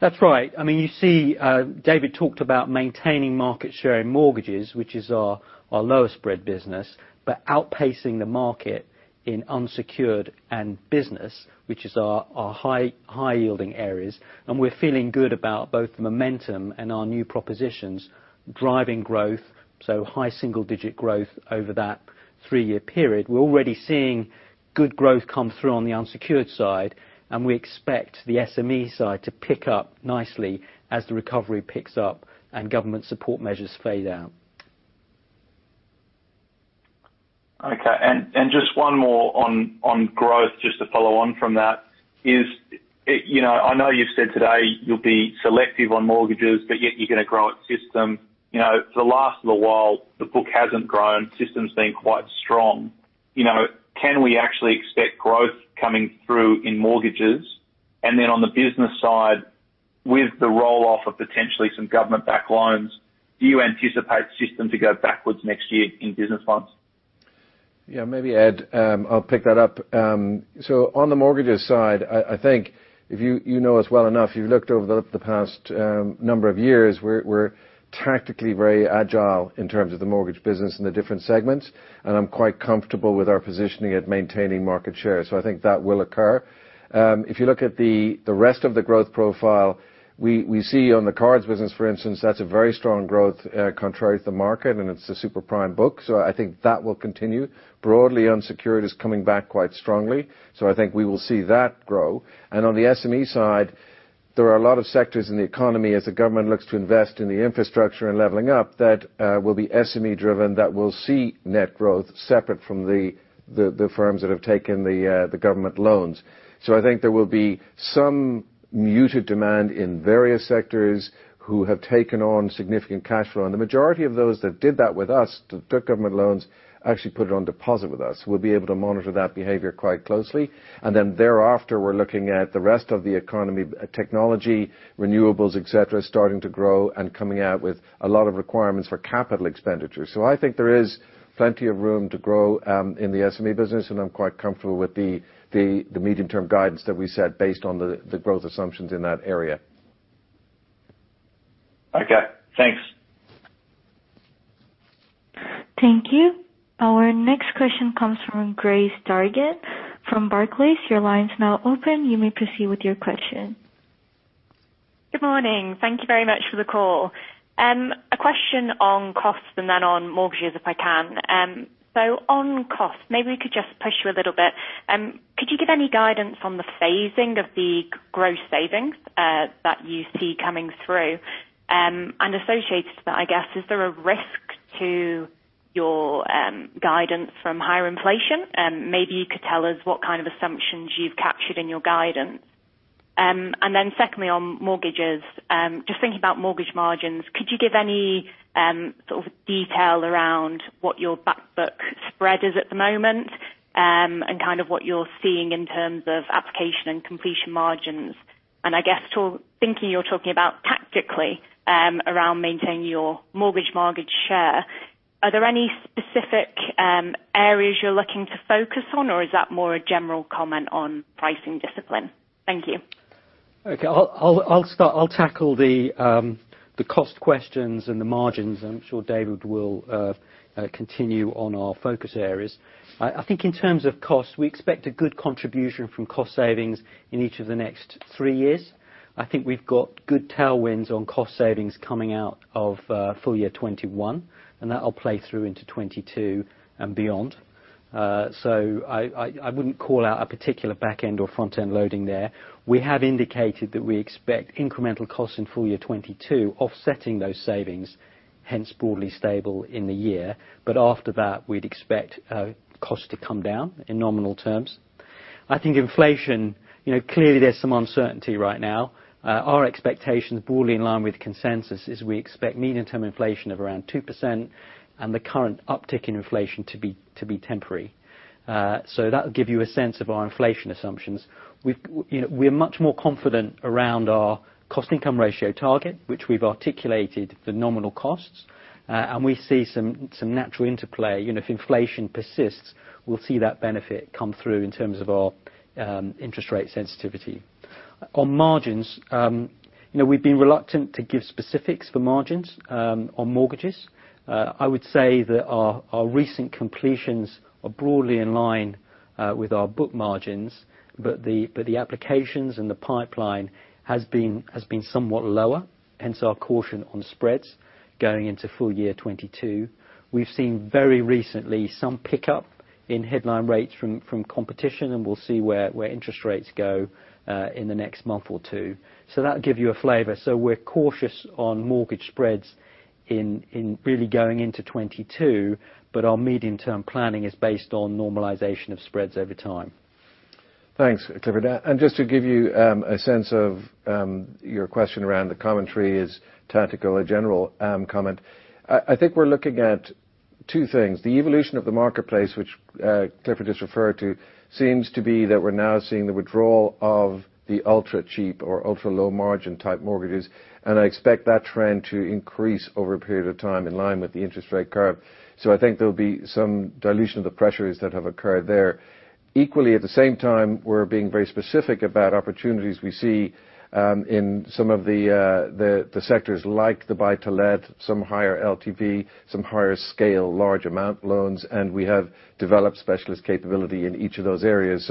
S3: That's right. I mean, you see, David talked about maintaining market share in mortgages, which is our lowest spread business, but outpacing the market in unsecured and business, which is our high yielding areas. We're feeling good about both the momentum and our new propositions driving growth, so high single digit growth over that three-year period. We're already seeing good growth come through on the unsecured side, and we expect the SME side to pick up nicely as the recovery picks up and government support measures fade out.
S7: Just one more on growth, just to follow on from that. You know, I know you've said today you'll be selective on mortgages, but yet you're gonna grow at system. You know, for the last little while the book hasn't grown, system's been quite strong. You know, can we actually expect growth coming through in mortgages? And then on the business side, with the roll off of potentially some government backed loans, do you anticipate system to go backwards next year in business loans?
S1: Yeah, maybe, Ed, I'll pick that up. On the mortgages side, I think if you know us well enough, you've looked over the past number of years, we're tactically very agile in terms of the mortgage business and the different segments, and I'm quite comfortable with our positioning at maintaining market share, so I think that will occur. If you look at the rest of the growth profile, we see on the cards business, for instance, that's a very strong growth contrary to the market, and it's a super prime book, so I think that will continue. Broadly unsecured is coming back quite strongly, so I think we will see that grow. On the SME side, there are a lot of sectors in the economy as the government looks to invest in the infrastructure and leveling up that will be SME driven, that will see net growth separate from the firms that have taken the government loans. I think there will be some muted demand in various sectors who have taken on significant cashflow. The majority of those that did that with us, that took government loans, actually put it on deposit with us. We'll be able to monitor that behavior quite closely. Then thereafter, we're looking at the rest of the economy, technology, renewables, et cetera, starting to grow and coming out with a lot of requirements for capital expenditures. I think there is plenty of room to grow, in the SME business, and I'm quite comfortable with the medium term guidance that we set based on the growth assumptions in that area.
S7: Okay. Thanks.
S6: Thank you. Our next question comes from Grace Dargan from Barclays. Your line's now open. You may proceed with your question.
S4: Good morning. Thank you very much for the call. A question on costs and then on mortgages if I can. On costs, maybe we could just push you a little bit. Could you give any guidance on the phasing of the gross savings that you see coming through? Associated to that, I guess, is there a risk to your guidance from higher inflation? Maybe you could tell us what kind of assumptions you've captured in your guidance. Secondly, on mortgages, just thinking about mortgage margins, could you give any sort of detail around what your back book spread is at the moment, and kind of what you're seeing in terms of application and completion margins? I guess to. Thinking you're talking about tactically, around maintaining your mortgage market share, are there any specific areas you're looking to focus on, or is that more a general comment on pricing discipline? Thank you.
S3: Okay. I'll start. I'll tackle the cost questions and the margins. I'm sure David will continue on our focus areas. I think in terms of cost, we expect a good contribution from cost savings in each of the next three years. I think we've got good tailwinds on cost savings coming out of full year 2021, and that'll play through into 2022 and beyond. I wouldn't call out a particular back end or front end loading there. We have indicated that we expect incremental costs in full year 2022 offsetting those savings, hence broadly stable in the year. After that, we'd expect costs to come down in nominal terms. I think inflation, you know, clearly there's some uncertainty right now. Our expectations broadly in line with consensus is we expect medium term inflation of around 2% and the current uptick in inflation to be temporary. So that'll give you a sense of our inflation assumptions. We've, you know, we're much more confident around our cost income ratio target, which we've articulated the nominal costs. And we see some natural interplay. You know, if inflation persists, we'll see that benefit come through in terms of our interest rate sensitivity. On margins, you know, we've been reluctant to give specifics for margins on mortgages. I would say that our recent completions are broadly in line with our book margins, but the applications and the pipeline has been somewhat lower, hence our caution on spreads going into full year 2022. We've seen very recently some pickup in headline rates from competition, and we'll see where interest rates go in the next month or two. That'll give you a flavor. We're cautious on mortgage spreads in really going into 2022, but our medium term planning is based on normalization of spreads over time.
S1: Thanks, Clifford. Just to give you a sense of your question around the commentary's tactical or general comment. I think we're looking at two things. The evolution of the marketplace, which Clifford has referred to, seems to be that we're now seeing the withdrawal of the ultra cheap or ultra low margin type mortgages. I expect that trend to increase over a period of time in line with the interest rate curve. I think there'll be some dilution of the pressures that have occurred there. Equally, at the same time, we're being very specific about opportunities we see in some of the sectors like the Buy-to-Let, some higher LTV, some higher scale, large amount loans. We have developed specialist capability in each of those areas.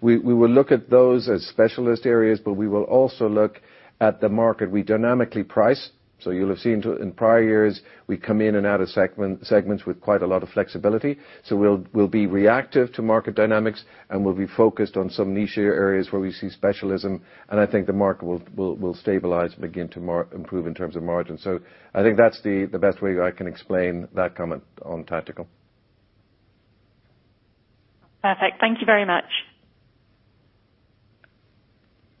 S1: We will look at those as specialist areas, but we will also look at the market we dynamically price. You'll have seen too in prior years, we come in and out of segments with quite a lot of flexibility. We'll be reactive to market dynamics, and we'll be focused on some niche areas where we see specialism, and I think the market will stabilize and begin to improve in terms of margins. I think that's the best way I can explain that comment on tactical.
S4: Perfect. Thank you very much.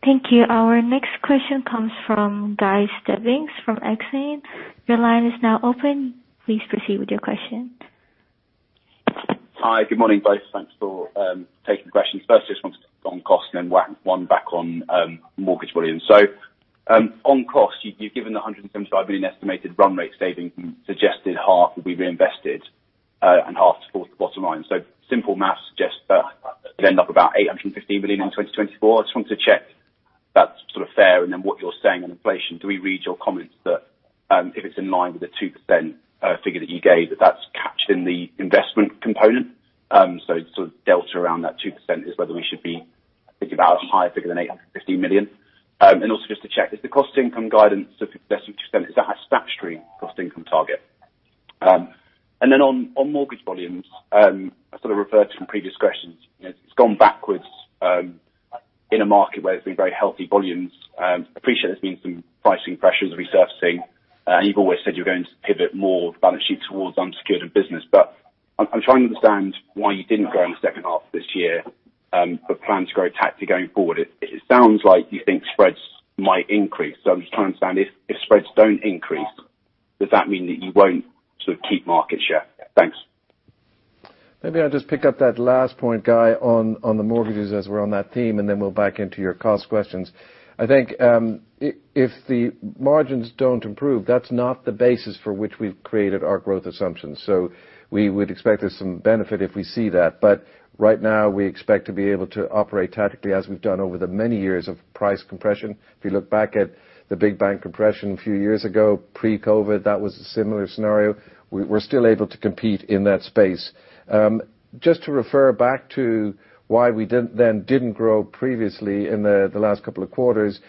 S6: Thank you. Our next question comes from Guy Stebbings from Exane. Your line is now open. Please proceed with your question.
S8: Hi. Good morning, guys. Thanks for taking the questions. First, just one on cost and then one back on mortgage volume. On cost, you've given the 175 million estimated run rate saving, suggested half will be reinvested, and half support the bottom line. Simple math suggests that you end up about 850 million in 2024. I just wanted to check that's sort of fair, and then what you're saying on inflation. Do we read your comments that, if it's in line with the 2% figure that you gave, that that's captured in the investment component? Sort of delta around that 2% is whether we should be thinking about a higher figure than 850 million. Also just to check, is the cost income guidance of less than 2%, is that a statutory cost income target? Then on mortgage volumes, I sort of refer to some previous questions. You know, it's gone backwards, in a market where it's been very healthy volumes. I appreciate there's been some pricing pressures resurfacing. You've always said you're going to pivot more of the balance sheet towards unsecured business. But I'm trying to understand why you didn't grow in the second half of this year, but plan to grow tactically going forward. It sounds like you think spreads might increase. So I'm just trying to understand, if spreads don't increase, does that mean that you won't sort of keep market share? Thanks.
S1: Maybe I'll just pick up that last point, Guy, on the mortgages as we're on that theme, and then we'll back into your cost questions. I think, if the margins don't improve, that's not the basis for which we've created our growth assumptions. We would expect there's some benefit if we see that. Right now, we expect to be able to operate tactically as we've done over the many years of price compression. If you look back at the big bank compression a few years ago, pre-COVID, that was a similar scenario. We're still able to compete in that space. Just to refer back to why we didn't grow previously in the last couple of quarters.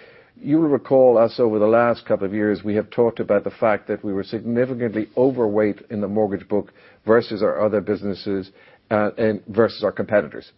S1: You'll recall, as over the last couple of years, we have talked about the fact that we were significantly overweight in the mortgage book versus our other businesses, and versus our competitors.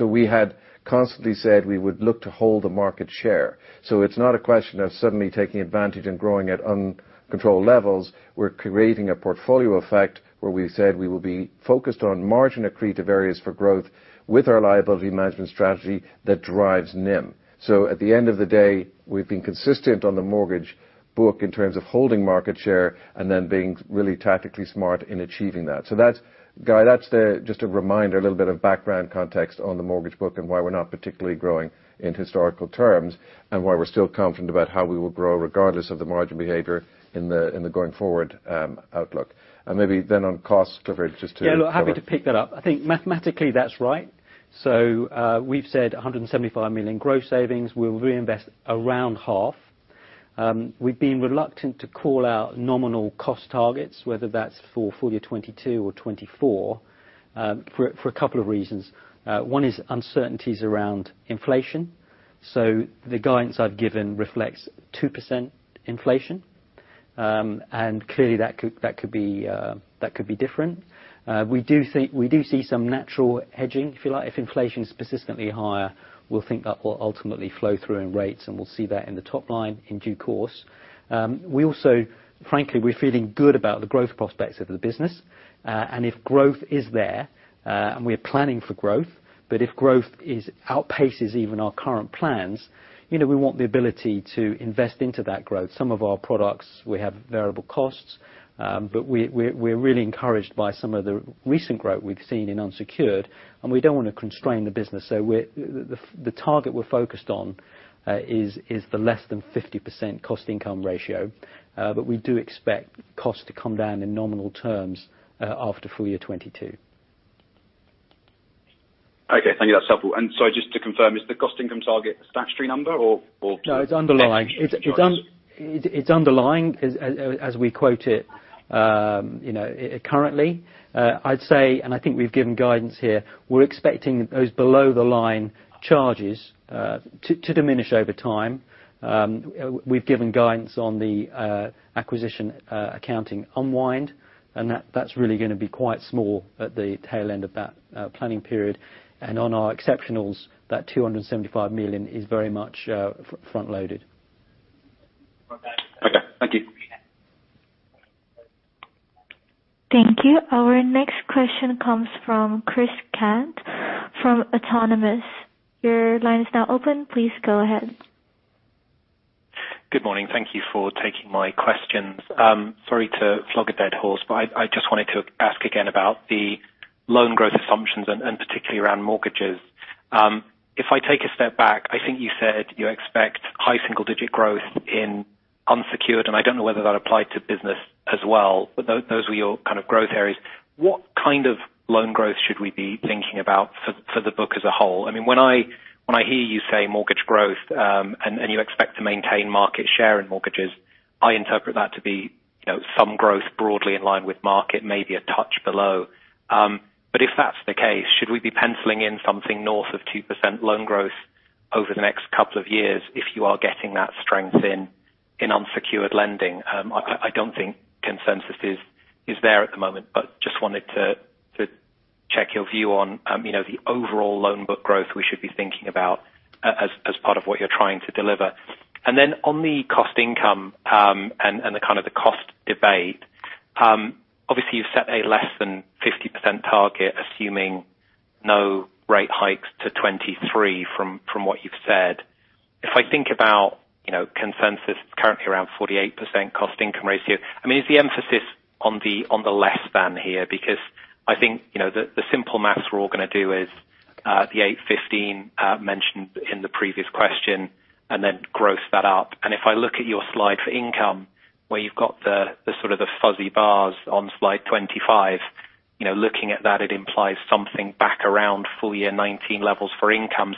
S1: We had constantly said we would look to hold the market share. It's not a question of suddenly taking advantage and growing at uncontrolled levels. We're creating a portfolio effect where we've said we will be focused on margin accretive areas for growth with our liability management strategy that drives NIM. At the end of the day, we've been consistent on the mortgage book in terms of holding market share and then being really tactically smart in achieving that. That's. Guy, that's just a reminder, a little bit of background context on the mortgage book and why we're not particularly growing in historical terms, and why we're still confident about how we will grow regardless of the margin behavior in the going forward outlook. Maybe then on cost coverage, just to.
S3: Yeah. Look, happy to pick that up. I think mathematically that's right. We've said 175 million gross savings, we'll reinvest around half. We've been reluctant to call out nominal cost targets, whether that's for full year 2022 or 2024, for a couple of reasons. One is uncertainties around inflation. The guidance I've given reflects 2% inflation. And clearly that could be different. We do see some natural hedging, if you like. If inflation is persistently higher, we'll think that will ultimately flow through in rates, and we'll see that in the top line in due course. We also frankly, we're feeling good about the growth prospects of the business. If growth is there, and we're planning for growth, but if growth outpaces even our current plans, you know, we want the ability to invest into that growth. Some of our products, we have variable costs, but we're really encouraged by some of the recent growth we've seen in unsecured, and we don't wanna constrain the business. The target we're focused on is the less than 50% cost income ratio. But we do expect costs to come down in nominal terms after full year 2022.
S8: Okay. Thank you. That's helpful. Just to confirm, is the cost income target a statutory number or?
S3: No, it's underlying. It's underlying as we quote it, currently. I'd say, and I think we've given guidance here, we're expecting those below the line charges to diminish over time. We've given guidance on the acquisition accounting unwind, and that's really gonna be quite small at the tail end of that planning period. On our exceptionals, that 275 million is very much front loaded.
S8: Okay. Thank you.
S6: Thank you. Our next question comes from Christopher Cant from Autonomous. Your line is now open. Please go ahead.
S9: Good morning. Thank you for taking my questions. Sorry to flog a dead horse, but I just wanted to ask again about the loan growth assumptions and particularly around mortgages. If I take a step back, I think you said you expect high single digit growth in unsecured, and I don't know whether that applied to business as well, but those were your kind of growth areas. What kind of loan growth should we be thinking about for the book as a whole? I mean, when I hear you say mortgage growth, and you expect to maintain market share in mortgages, I interpret that to be, you know, some growth broadly in line with market, maybe a touch below. If that's the case, should we be penciling in something north of 2% loan growth over the next couple of years if you are getting that strength in unsecured lending? I don't think consensus is there at the moment, but just wanted to check your view on, you know, the overall loan book growth we should be thinking about as part of what you're trying to deliver. Then on the cost income, and the kind of the cost debate, obviously you've set a less than 50% target, assuming no rate hikes to 2023 from what you've said. If I think about, you know, consensus currently around 48% cost income ratio, I mean, is the emphasis on the less than here? Because I think, you know, the simple maths we're all gonna do is the 815 mentioned in the previous question and then gross that up. If I look at your slide for income where you've got the sort of fuzzy bars on slide 25, you know, looking at that, it implies something back around full year 2019 levels for income.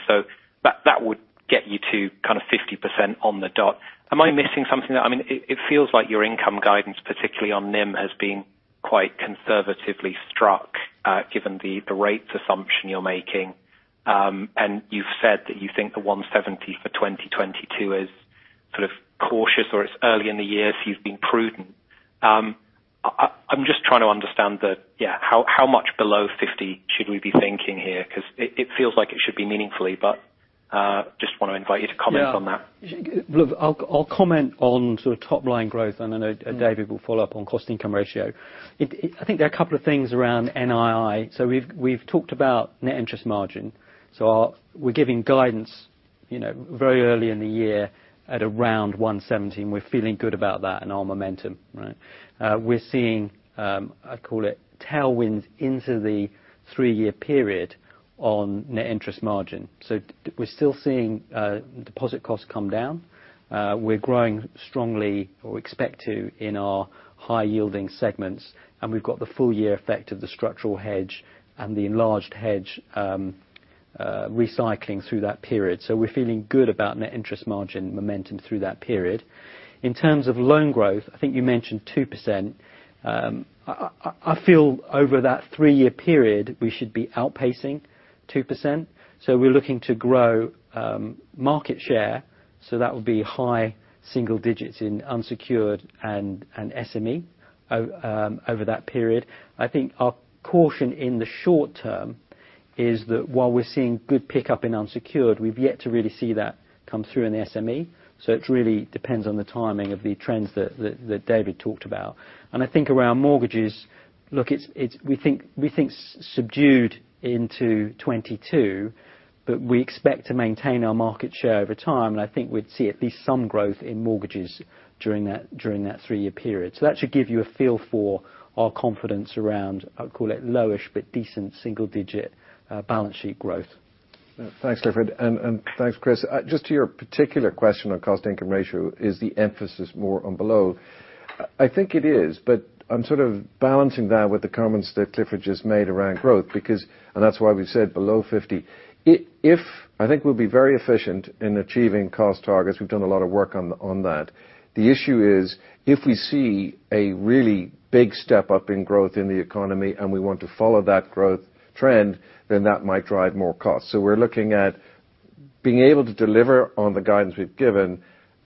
S9: That would get you to kind of 50% on the dot. Am I missing something? I mean, it feels like your income guidance, particularly on NIM, has been quite conservatively struck given the rates assumption you're making. You've said that you think the 170 for 2022 is sort of cautious or it's early in the year, so you've been prudent. I'm just trying to understand how much below 50 should we be thinking here? 'Cause it feels like it should be meaningfully, but just wanna invite you to comment on that.
S3: Yeah. Look, I'll comment on sort of top line growth, and then David will follow up on cost income ratio. I think there are a couple of things around NII. We've talked about net interest margin. We're giving guidance, you know, very early in the year at around 170, and we're feeling good about that and our momentum, right? We're seeing I call it tailwinds into the three year period on net interest margin. We're still seeing deposit costs come down. We're growing strongly or expect to in our high yielding segments, and we've got the full year effect of the structural hedge and the enlarged hedge recycling through that period. We're feeling good about net interest margin momentum through that period. In terms of loan growth, I think you mentioned 2%. I feel over that three-year period, we should be outpacing 2%. We're looking to grow market share. That would be high single digits in unsecured and SME over that period. I think our caution in the short term is that while we're seeing good pickup in unsecured, we've yet to really see that come through in the SME. It really depends on the timing of the trends that David talked about. I think around mortgages, look, we think subdued into 2022, but we expect to maintain our market share over time. I think we'd see at least some growth in mortgages during that three-year period. That should give you a feel for our confidence around, I'd call it low-ish, but decent single-digit balance sheet growth.
S1: Thanks, Clifford, and thanks, Chris. Just to your particular question on cost income ratio, is the emphasis more on below 50%? I think it is, but I'm sort of balancing that with the comments that Clifford just made around growth because that's why we said below 50%. I think we'll be very efficient in achieving cost targets. We've done a lot of work on that. The issue is if we see a really big step up in growth in the economy and we want to follow that growth trend, then that might drive more costs. We're looking at being able to deliver on the guidance we've given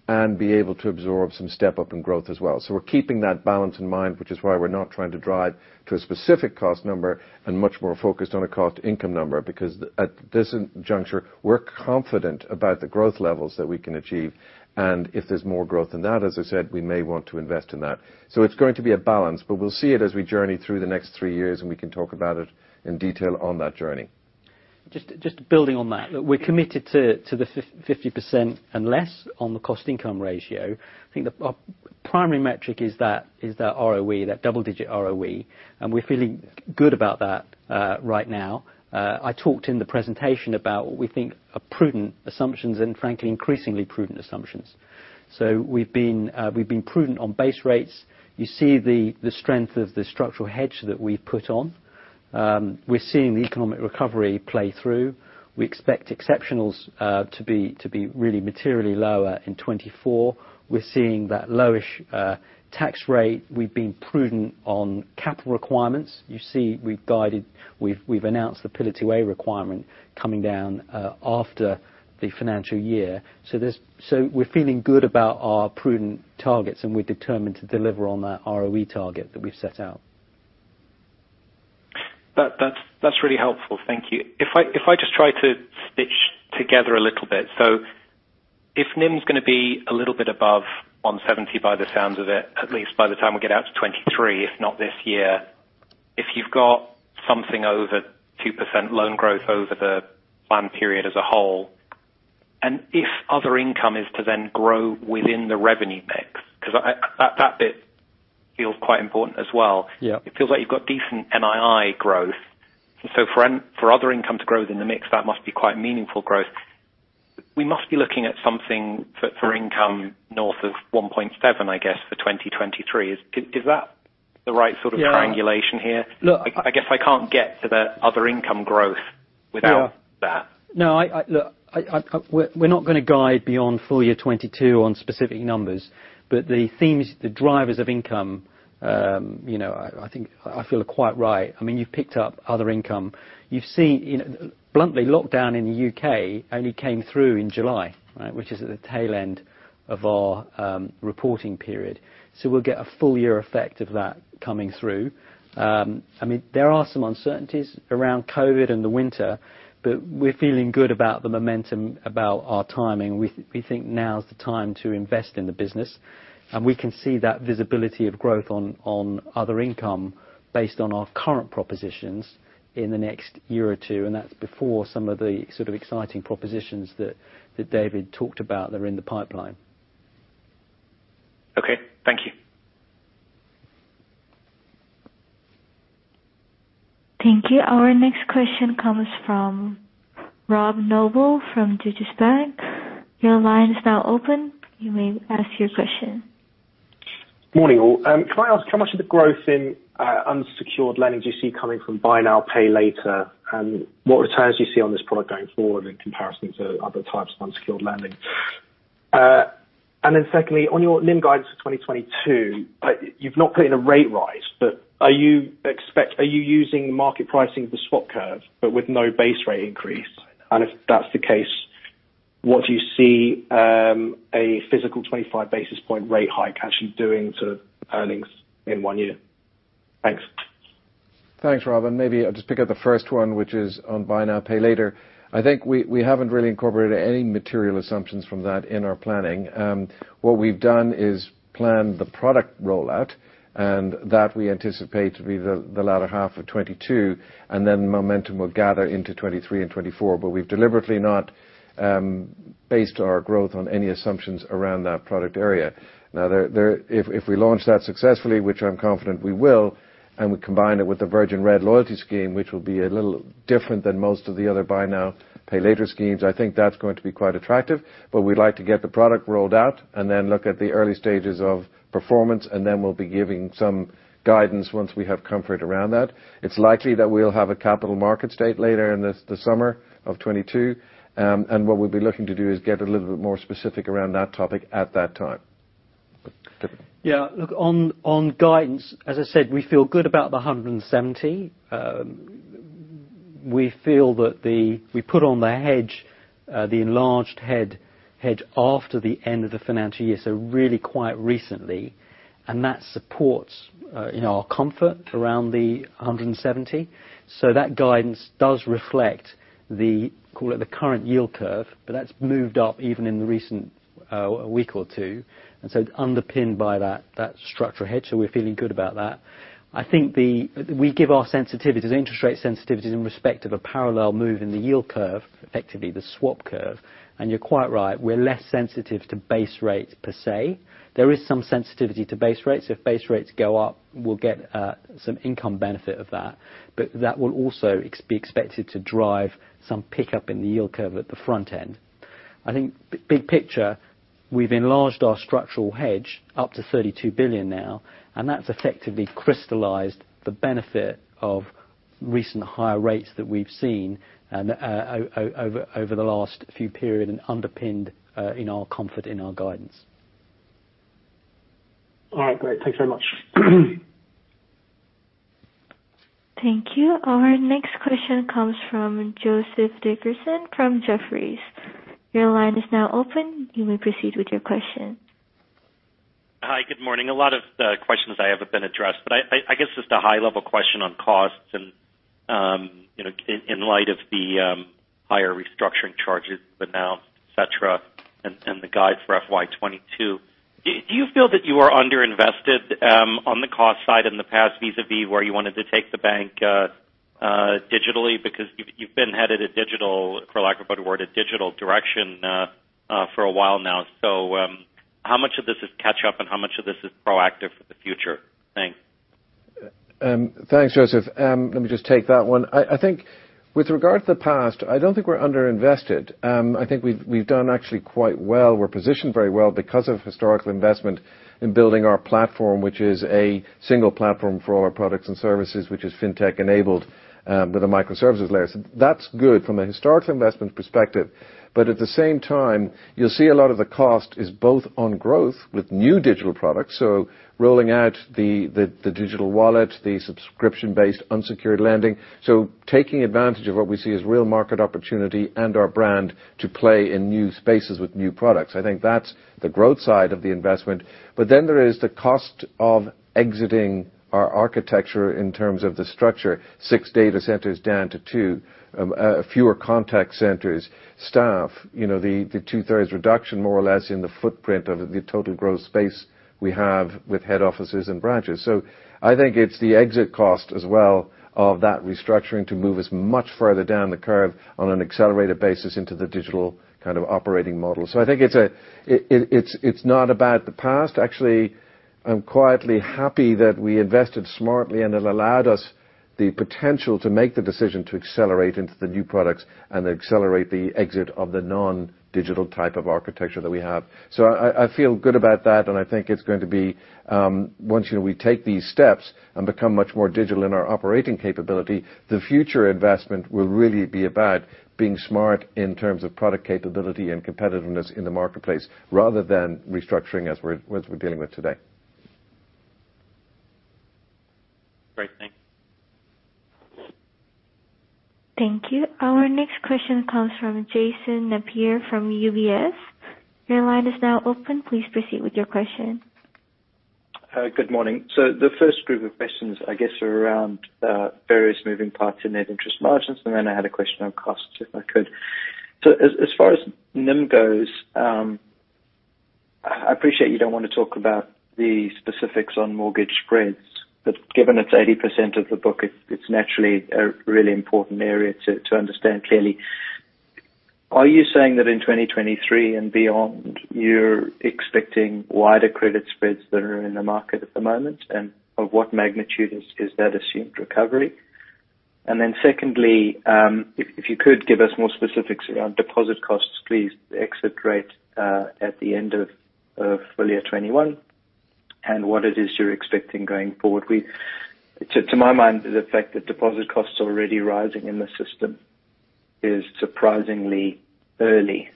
S1: and be able to absorb some step up in growth as well. We're keeping that balance in mind, which is why we're not trying to drive to a specific cost number and much more focused on a cost income number. Because at this juncture, we're confident about the growth levels that we can achieve. If there's more growth than that, as I said, we may want to invest in that. It's going to be a balance, but we'll see it as we journey through the next three years, and we can talk about it in detail on that journey.
S3: Just building on that. We're committed to the 50% and less on the cost-income ratio. I think our primary metric is that ROE, that double-digit ROE, and we're feeling good about that right now. I talked in the presentation about what we think are prudent assumptions and frankly, increasingly prudent assumptions. We've been prudent on base rates. You see the strength of the structural hedge that we've put on. We're seeing the economic recovery play through. We expect exceptionals to be really materially lower in 2024. We're seeing that low-ish tax rate. We've been prudent on capital requirements. You see, we've guided, we've announced the Pillar 2A requirement coming down after the financial year. We're feeling good about our prudent targets, and we're determined to deliver on that ROE target that we've set out.
S9: That's really helpful. Thank you. If I just try to stitch together a little bit. If NIM's gonna be a little bit above 170 by the sounds of it, at least by the time we get out to 2023, if not this year. If you've got something over 2% loan growth over the plan period as a whole, and if other income is to then grow within the revenue mix, 'cause that bit feels quite important as well.
S3: Yeah.
S9: It feels like you've got decent NII growth. For other income to grow within the mix, that must be quite meaningful growth. We must be looking at something for income north of 1.7, I guess, for 2023. Is that the right sort of-
S3: Yeah
S9: triangulation here?
S3: Look-
S9: I guess I can't get to the other income growth without that.
S3: No. Look, we're not gonna guide beyond full year 2022 on specific numbers, but the themes, the drivers of income, you know, I think I feel are quite right. I mean, you've picked up other income. You've seen, you know, bluntly, lockdown in the U.K. only came through in July, right? Which is at the tail end of our reporting period. We'll get a full year effect of that coming through. I mean, there are some uncertainties around COVID and the winter, but we're feeling good about the momentum, about our timing. We think now is the time to invest in the business, and we can see that visibility of growth on other income based on our current propositions in the next year or two, and that's before some of the sort of exciting propositions that David talked about that are in the pipeline.
S9: Okay. Thank you.
S6: Thank you. Our next question comes from Robert Noble from Deutsche Bank. Your line is now open. You may ask your question.
S10: Morning, all. Can I ask how much of the growth in unsecured lending do you see coming from buy now, pay later? What returns do you see on this product going forward in comparison to other types of unsecured lending? Then secondly, on your NIM guidance for 2022, you've not put in a rate rise, but are you using market pricing for swap curve, but with no base rate increase? If that's the case, what do you see a 25 basis point rate hike actually doing to earnings in one year? Thanks.
S3: Thanks, Rob, and maybe I'll just pick up the first one, which is on buy now, pay later. I think we haven't really incorporated any material assumptions from that in our planning. What we've done is planned the product rollout, and that we anticipate to be the latter half of 2022, and then momentum will gather into 2023 and 2024. We've deliberately not based our growth on any assumptions around that product area. If we launch that successfully, which I'm confident we will, and we combine it with the Virgin Red loyalty scheme, which will be a little different than most of the other buy now, pay later schemes, I think that's going to be quite attractive. We'd like to get the product rolled out and then look at the early stages of performance, and then we'll be giving some guidance once we have comfort around that. It's likely that we'll have a capital market date later in this, the summer of 2022. What we'll be looking to do is get a little bit more specific around that topic at that time. David? Yeah. Look, on guidance, as I said, we feel good about the 170. We put on the hedge, the enlarged hedge after the end of the financial year, so really quite recently. That supports, you know, our comfort around the 170. That guidance does reflect the, call it, the current yield curve, but that's moved up even in the recent week or two. It's underpinned by that structural hedge, so we're feeling good about that. I think. We give our sensitivities, interest rate sensitivities in respect of a parallel move in the yield curve, effectively the swap curve. You're quite right, we're less sensitive to base rates per se. There is some sensitivity to base rates. If base rates go up, we'll get some income benefit of that. But that will also be expected to drive some pickup in the yield curve at the front end. I think big picture, we've enlarged our structural hedge up to 32 billion now, and that's effectively crystallized the benefit of recent higher rates that we've seen and over the last few period and underpinned in our comfort in our guidance.
S10: All right. Great. Thanks so much.
S6: Thank you. Our next question comes from Joseph Dickerson from Execution Limited. Your line is now open. You may proceed with your question.
S11: Hi. Good morning. A lot of questions that haven't been addressed. I guess just a high-level question on costs and, you know, in light of the higher restructuring charges announced, et cetera, and the guide for FY 2022. Do you feel that you are underinvested on the cost side in the past vis-a-vis where you wanted to take the bank digitally? Because you've been headed digital, for lack of a better word, a digital direction for a while now. How much of this is catch-up and how much of this is proactive for the future? Thanks.
S3: Thanks, Joseph. Let me just take that one. I think with regard to the past, I don't think we're underinvested. I think we've done actually quite well. We're positioned very well because of historical investment in building our platform, which is a single platform for all our products and services, which is fintech enabled, with a microservices layer. So that's good from a historical investment perspective. But at the same time, you'll see a lot of the cost is both on growth with new digital products, so rolling out the digital wallet, the subscription-based unsecured lending. So taking advantage of what we see as real market opportunity and our brand to play in new spaces with new products. I think that's the growth side of the investment. But then there is the cost of exiting our architecture in terms of the structure. Six data centers down to two, fewer contact centers, staff, you know, the two-thirds reduction more or less in the footprint of the total gross space we have with head offices and branches. I think it's the exit cost as well of that restructuring to move us much further down the curve on an accelerated basis into the digital kind of operating model. I think it's not about the past. Actually, I'm quietly happy that we invested smartly, and it allowed us
S1: The potential to make the decision to accelerate into the new products and accelerate the exit of the non-digital type of architecture that we have. I feel good about that, and I think it's going to be, once, you know, we take these steps and become much more digital in our operating capability, the future investment will really be about being smart in terms of product capability and competitiveness in the marketplace rather than restructuring as we're dealing with today.
S5: Great. Thanks.
S6: Thank you. Our next question comes from Jason Napier from UBS. Your line is now open. Please proceed with your question. Good morning. The first group of questions, I guess, are around various moving parts in net interest margins, and then I had a question on costs, if I could. As far as NIM goes, I appreciate you don't want to talk about the specifics on mortgage spreads, but given it's 80% of the book, it's naturally a really important area to understand clearly. Are you saying that in 2023 and beyond, you're expecting wider credit spreads that are in the market at the moment? And of what magnitude is that assumed recovery? And then secondly, if you could give us more specifics around deposit costs, please, the exit rate at the end of full year 2021, and what it is you're expecting going forward.
S5: To my mind, the fact that deposit costs are already rising in the system is surprisingly early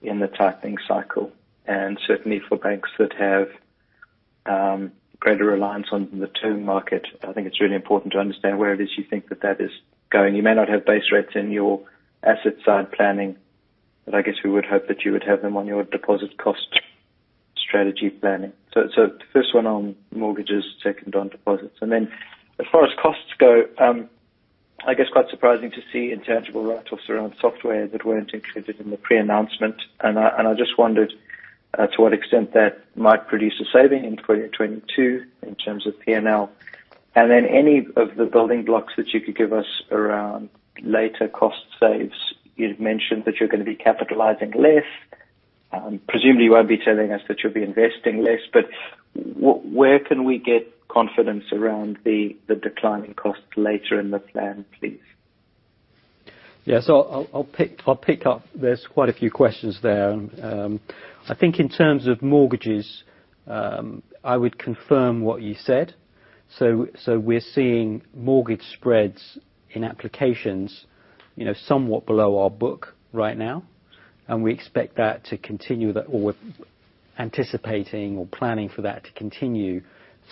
S5: in the tightening cycle, and certainly for banks that have greater reliance on the term market, I think it's really important to understand where it is you think that is going. You may not have base rates in your asset side planning, but I guess we would hope that you would have them on your deposit cost strategy planning. The first one on mortgages, second on deposits. As far as costs go, I guess quite surprising to see intangible write-offs around software that weren't included in the pre-announcement. And I just wondered to what extent that might produce a saving in 2022 in terms of PNL. Then any of the building blocks that you could give us around later cost savings. You'd mentioned that you're gonna be capitalizing less. Presumably you won't be telling us that you'll be investing less, but where can we get confidence around the declining cost later in the plan, please?
S3: I'll pick up. There's quite a few questions there. I think in terms of mortgages, I would confirm what you said. We're seeing mortgage spreads in applications, you know, somewhat below our book right now, and we expect that to continue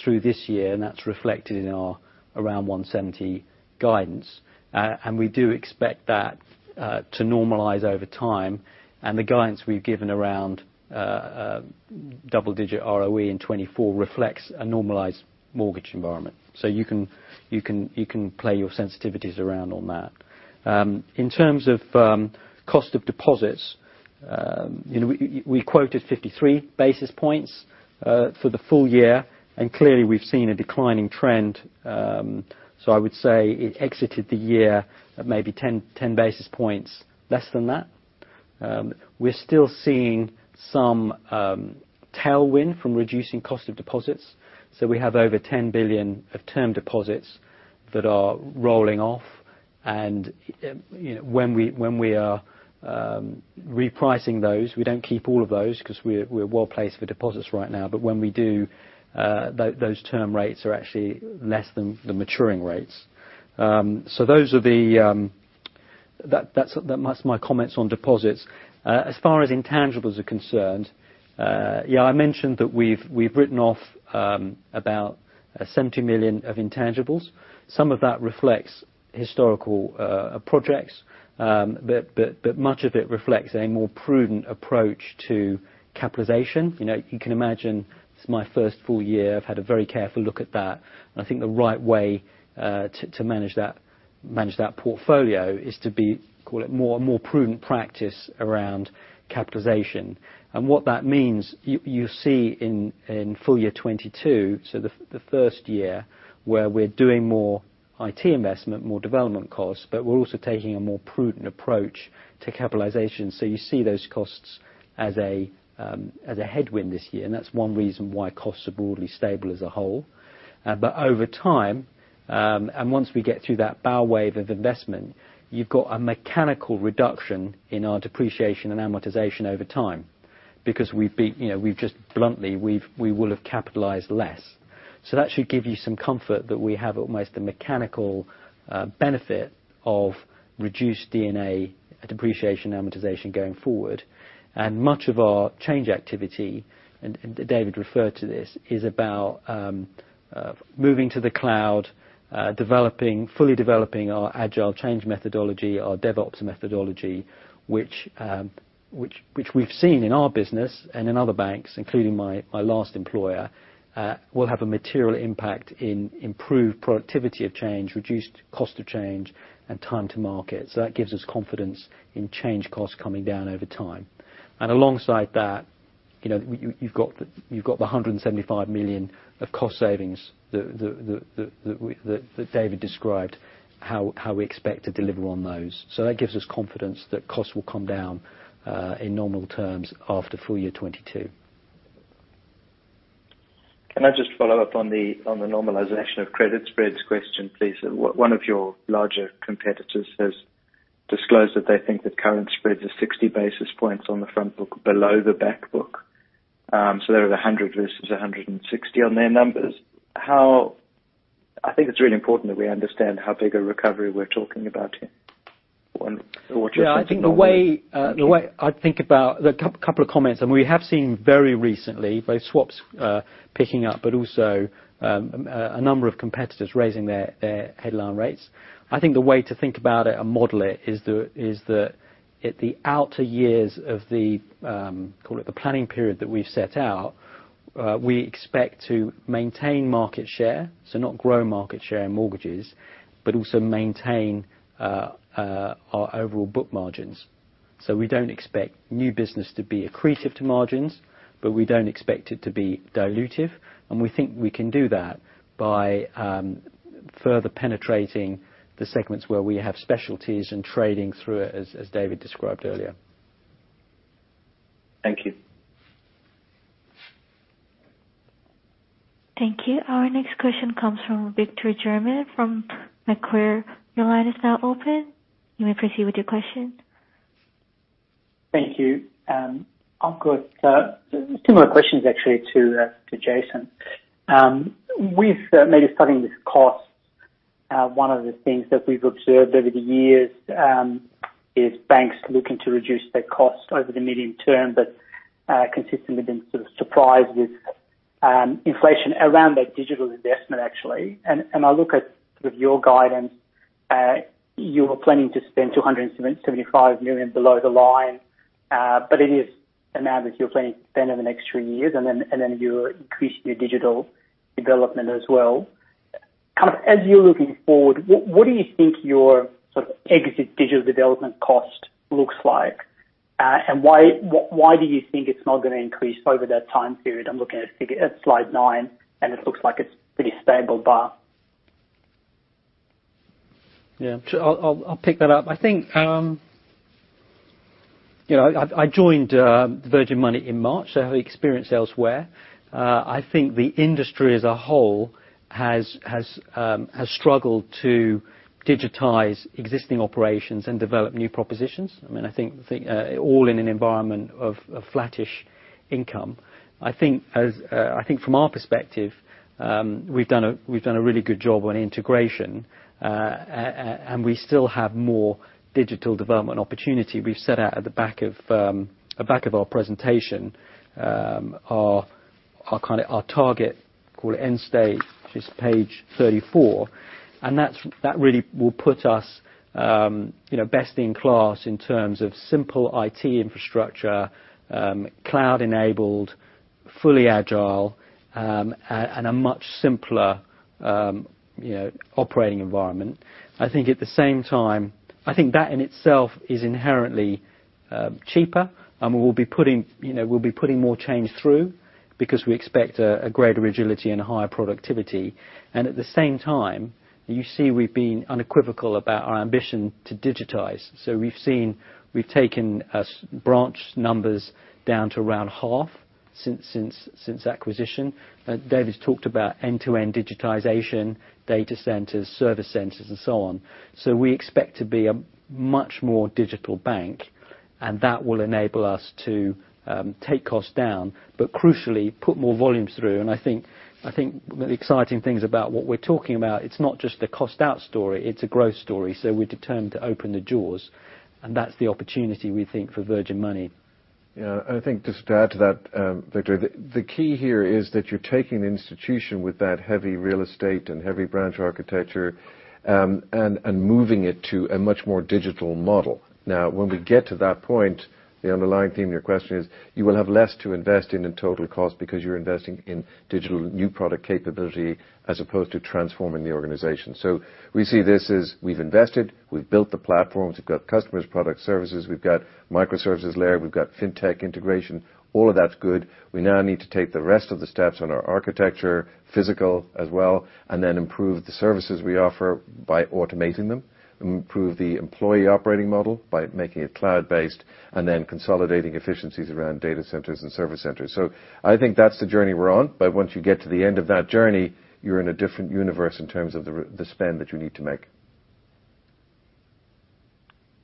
S3: through this year, and that's reflected in our around 170 guidance. And we do expect that to normalize over time, and the guidance we've given around double-digit ROE in 2024 reflects a normalized mortgage environment. You can play your sensitivities around on that. In terms of cost of deposits, you know, we quoted 53 basis points for the full year, and clearly we've seen a declining trend. I would say it exited the year at maybe 10 basis points less than that. We're still seeing some tailwind from reducing cost of deposits. We have over 10 billion of term deposits that are rolling off and, you know, when we are repricing those, we don't keep all of those 'cause we're well placed for deposits right now. When we do, those term rates are actually less than the maturing rates. Those are the... That's my comments on deposits. As far as intangibles are concerned, yeah, I mentioned that we've written off about 70 million of intangibles. Some of that reflects historical projects, but much of it reflects a more prudent approach to capitalization. You know, you can imagine it's my first full year. I've had a very careful look at that, and I think the right way to manage that portfolio is to be a more prudent practice around capitalization. What that means, you'll see in full year 2022, the first year where we're doing more IT investment, more development costs, but we're also taking a more prudent approach to capitalization. You see those costs as a headwind this year, and that's one reason why costs are broadly stable as a whole. Over time, and once we get through that bow wave of investment, you've got a mechanical reduction in our depreciation and amortization over time because we've been, you know, we've just bluntly we will have capitalized less. That should give you some comfort that we have almost a mechanical benefit of reduced D&A, depreciation and amortization, going forward. Much of our change activity, and David referred to this, is about moving to the cloud, developing, fully developing our agile change methodology, our DevOps methodology, which we've seen in our business and in other banks, including my last employer, will have a material impact in improved productivity of change, reduced cost of change, and time to market. That gives us confidence in change costs coming down over time. Alongside that, you know, you've got the 175 million of cost savings that David described how we expect to deliver on those. That gives us confidence that costs will come down in normal terms after full year 2022.
S5: Can I just follow up on the normalization of credit spreads question, please? One of your larger competitors has disclosed that they think that current spreads are 60 basis points on the front book below the back book. So there are the 100 versus 160 on their numbers. I think it's really important that we understand how big a recovery we're talking about here. What you're thinking-
S3: Yeah. I think the way I think about the couple of comments, and we have seen very recently both swaps picking up, but also a number of competitors raising their headline rates. I think the way to think about it and model it is the at the outer years of the call it the planning period that we've set out, we expect to maintain market share, so not grow market share in mortgages, but also maintain our overall book margins. We don't expect new business to be accretive to margins, but we don't expect it to be dilutive, and we think we can do that by further penetrating the segments where we have specialties and trading through it, as David described earlier.
S5: Thank you.
S6: Thank you. Our next question comes from Victor German from Macquarie. Your line is now open. You may proceed with your question. Thank you. I've got similar questions actually to Jason. As I've been studying these costs, one of the things that we've observed over the years is banks looking to reduce their costs over the medium term, but consistently been sort of surprised with inflation around their digital investment, actually. I look at sort of your guidance, you're planning to spend 275 million below the line, but it is an amount that you're planning to spend over the next three years, and then you increase your digital development as well. Kind of as you're looking forward, what do you think your sort of exit digital development cost looks like? And why do you think it's not gonna increase over that time period?
S2: I'm looking at slide 9, and it looks like it's pretty stable bar.
S3: Yeah. I'll pick that up. I think, you know, I joined Virgin Money in March, so I have experience elsewhere. I think the industry as a whole has struggled to digitize existing operations and develop new propositions. I mean, I think all in an environment of flattish income. I think from our perspective, we've done a really good job on integration. We still have more digital development opportunity. We've set out at the back of our presentation our kind of target, call it end state, which is page 34. That really will put us, you know, best in class in terms of simple IT infrastructure, cloud enabled, fully agile, and a much simpler, you know, operating environment. I think at the same time, I think that in itself is inherently cheaper, and we'll be putting, you know, we'll be putting more change through because we expect greater agility and higher productivity. At the same time, you see we've been unequivocal about our ambition to digitize. We've seen we've taken our branch numbers down to around half since acquisition. David's talked about end-to-end digitization, data centers, service centers, and so on. We expect to be a much more digital bank, and that will enable us to take costs down, but crucially, put more volumes through. I think one of the exciting things about what we're talking about, it's not just a cost out story, it's a growth story. We're determined to open the doors, and that's the opportunity we think for Virgin Money.
S1: Yeah. I think just to add to that, Victor, the key here is that you're taking the institution with that heavy real estate and heavy branch architecture, and moving it to a much more digital model. Now, when we get to that point, the underlying theme of your question is, you will have less to invest in total cost because you're investing in digital new product capability as opposed to transforming the organization. We see this as we've invested, we've built the platforms, we've got customers, product services, we've got microservices layer, we've got fintech integration. All of that's good. We now need to take the rest of the steps on our architecture, physical as well, and then improve the services we offer by automating them, improve the employee operating model by making it cloud-based, and then consolidating efficiencies around data centers and service centers. I think that's the journey we're on, but once you get to the end of that journey, you're in a different universe in terms of the spend that you need to make.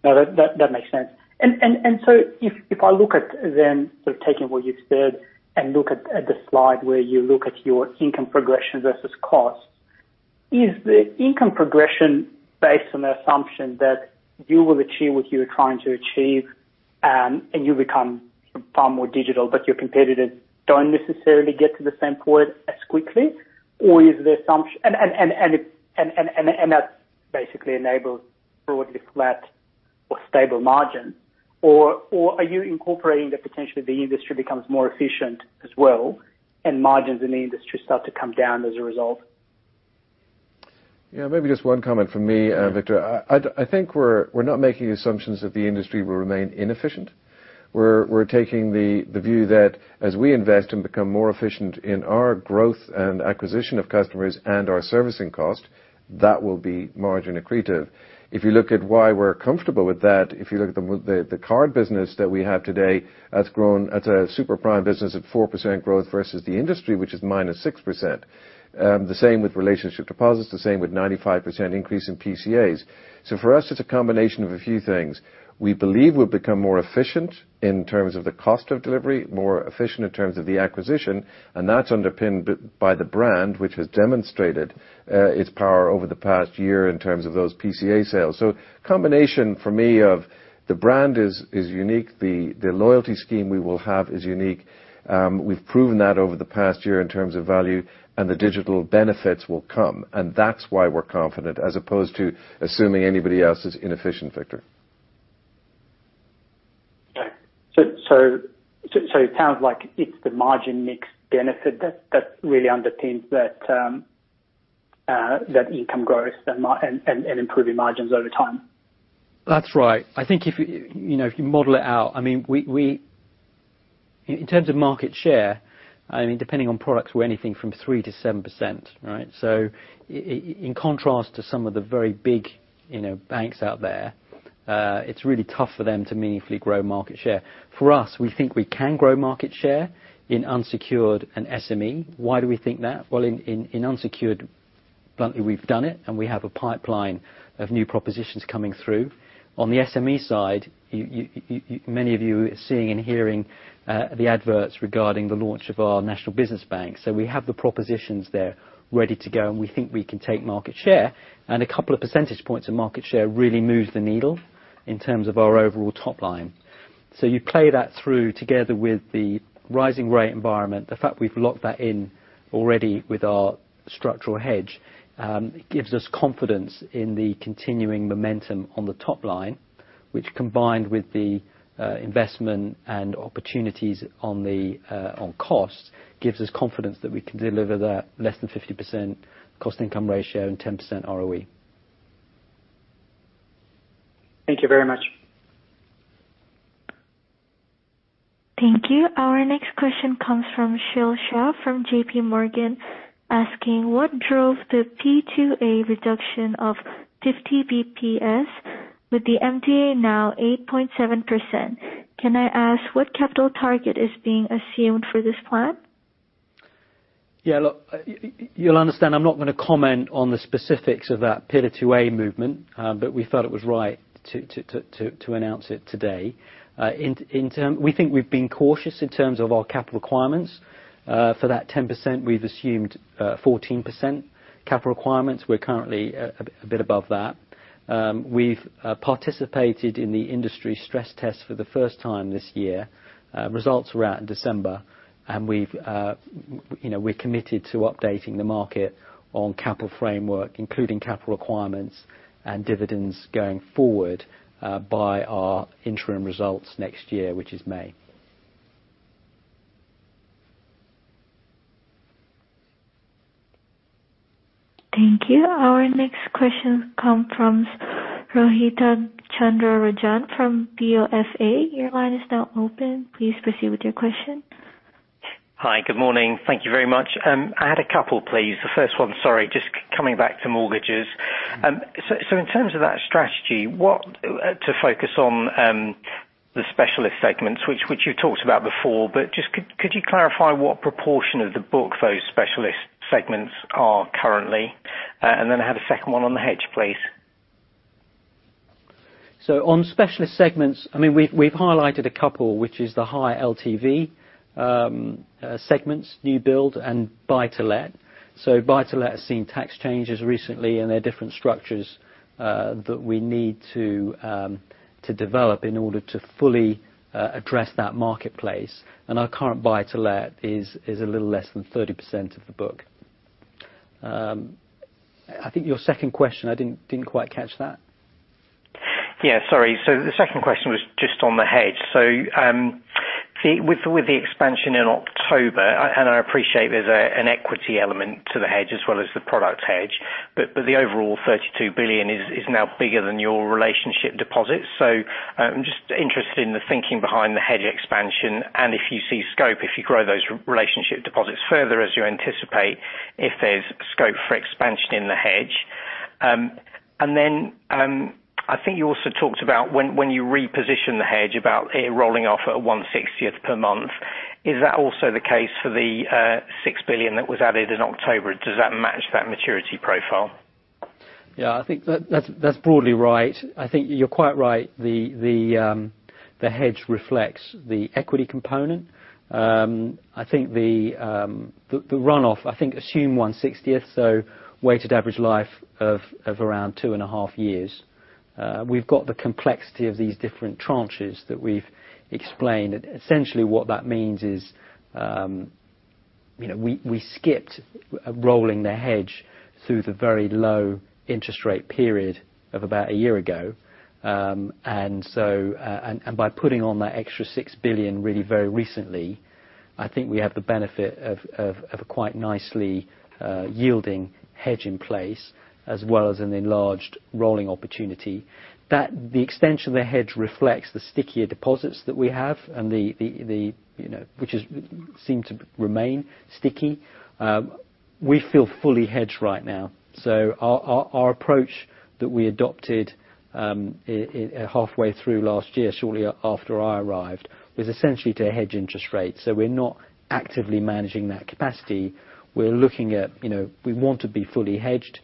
S2: No, that makes sense. If I look at it then, sort of taking what you've said, and look at the slide where you look at your income progression versus costs, is the income progression based on the assumption that you will achieve what you're trying to achieve, and you become far more digital, but your competitors don't necessarily get to the same point as quickly? Or is the assumption that it basically enables broadly flat or stable margin? Or are you incorporating that potentially the industry becomes more efficient as well, and margins in the industry start to come down as a result?
S1: Yeah. Maybe just one comment from me, Victor. I think we're not making assumptions that the industry will remain inefficient. We're taking the view that as we invest and become more efficient in our growth and acquisition of customers and our servicing cost, that will be margin accretive. If you look at why we're comfortable with that, if you look at the card business that we have today, that's grown. It's a super prime business at 4% growth versus the industry, which is -6%. The same with relationship deposits, the same with 95% increase in PCAs. For us, it's a combination of a few things. We believe we've become more efficient in terms of the cost of delivery, more efficient in terms of the acquisition, and that's underpinned by the brand, which has demonstrated its power over the past year in terms of those PCA sales. Combination for me of the brand is unique, the loyalty scheme we will have is unique. We've proven that over the past year in terms of value, and the digital benefits will come, and that's why we're confident as opposed to assuming anybody else is inefficient, Victor.
S2: It sounds like it's the margin mix benefit that really underpins that income growth and improving margins over time.
S3: That's right. I think if you know, if you model it out, I mean, we. In terms of market share, I mean, depending on products, we're anything from 3%-7%, right? In contrast to some of the very big, you know, banks out there, it's really tough for them to meaningfully grow market share. For us, we think we can grow market share in unsecured and SME. Why do we think that? Well, in unsecured, bluntly, we've done it, and we have a pipeline of new propositions coming through. On the SME side, you many of you are seeing and hearing, the adverts regarding the launch of our national business bank. We have the propositions there ready to go, and we think we can take market share. A couple of percentage points of market share really moves the needle in terms of our overall top line. You play that through together with the rising rate environment. The fact we've locked that in already with our structural hedge gives us confidence in the continuing momentum on the top line, which combined with the investment and opportunities on the cost gives us confidence that we can deliver that less than 50% cost income ratio and 10% ROE.
S2: Thank you very much.
S6: Thank you. Our next question comes from Kshitij Shah from JP Morgan, asking, "What drove the P2A reduction of 50 basis points with the MDA now 8.7%? Can I ask what capital target is being assumed for this plan?
S12: Yeah, look, you'll understand I'm not gonna comment on the specifics of that Pillar 2A movement, but we thought it was right to announce it today. We think we've been cautious in terms of our capital requirements. For that 10%, we've assumed 14% capital requirements. We're currently a bit above that. We've participated in the industry stress test for the first time this year. Results were out in December, and we, you know, we're committed to updating the market on capital framework, including capital requirements and dividends going forward, by our interim results next year, which is May.
S6: Thank you. Our next question comes from Rohith Chandra-Rajan from BofA. Your line is now open. Please proceed with your question. Hi. Good morning. Thank you very much. I had a couple, please. The first one, sorry, just coming back to mortgages. So in terms of that strategy to focus on the specialist segments, which you talked about before, but just could you clarify what proportion of the book those specialist segments are currently? And then I have a second one on the hedge, please.
S3: On specialist segments, I mean, we've highlighted a couple, which is the high LTV segments, new build, and Buy-to-Let. Buy-to-Let has seen tax changes recently, and there are different structures that we need to develop in order to fully address that marketplace. Our current Buy-to-Let is a little less than 30% of the book. I think your second question, I didn't quite catch that.
S13: The second question was just on the hedge. With the expansion in October, and I appreciate there's an equity element to the hedge as well as the product hedge, but the overall 32 billion is now bigger than your relationship deposits. Just interested in the thinking behind the hedge expansion and if you see scope, if you grow those relationship deposits further as you anticipate, if there's scope for expansion in the hedge. And then, I think you also talked about when you reposition the hedge about it rolling off at 1/60th per month. Is that also the case for the 6 billion that was added in October? Does that match that maturity profile?
S3: Yeah. I think that's broadly right. I think you're quite right. The hedge reflects the equity component. I think the run off, I think assume 1/60, so weighted average life of around 2.5 years. We've got the complexity of these different tranches that we've explained. Essentially what that means is, you know, we skipped rolling the hedge through the very low interest rate period of about a year ago, and by putting on that extra 6 billion really very recently. I think we have the benefit of a quite nicely yielding hedge in place as well as an enlarged rolling opportunity. That the extension of the hedge reflects the stickier deposits that we have and, you know, which seem to remain sticky. We feel fully hedged right now. Our approach that we adopted halfway through last year, shortly after I arrived, was essentially to hedge interest rates. We're not actively managing that capacity. We're looking at, you know, we want to be fully hedged.